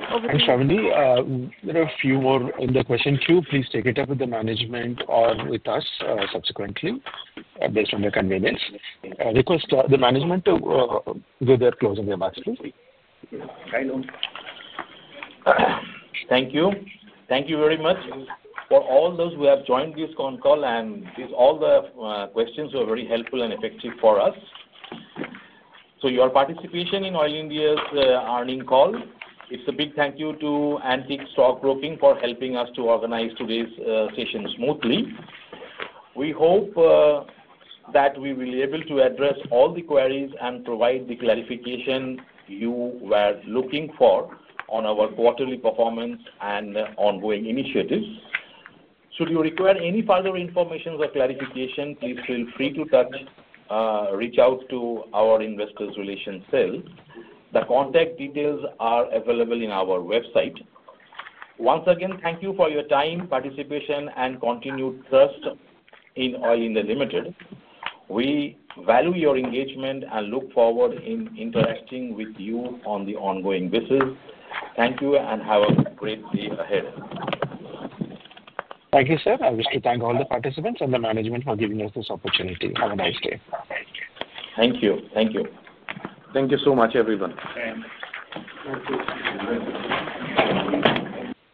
comments. Mr. Majumdar, there are a few more in the question queue. Please take it up with the management or with us subsequently based on your convenience. Request the management to do their closing remarks, please. Thank you. Thank you very much for all those who have joined this phone call. All the questions were very helpful and effective for us. Your participation in Oil India's earning call, it's a big thank you to Antique Stock Broking for helping us to organize today's session smoothly. We hope that we will be able to address all the queries and provide the clarification you were looking for on our quarterly performance and ongoing initiatives. Should you require any further information or clarification, please feel free to reach out to our investors' relations cell. The contact details are available in our website. Once again, thank you for your time, participation, and continued trust in Oil India Limited. We value your engagement and look forward to interacting with you on the ongoing basis. Thank you and have a great day ahead. Thank you, sir. I wish to thank all the participants and the management for giving us this opportunity. Have a nice day. Thank you. Thank you. Thank you so much, everyone.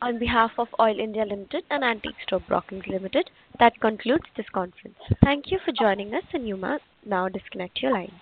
On behalf of Oil India Limited and Antique Stock Broking Limited, that concludes this conference. Thank you for joining us, and you may now disconnect your line.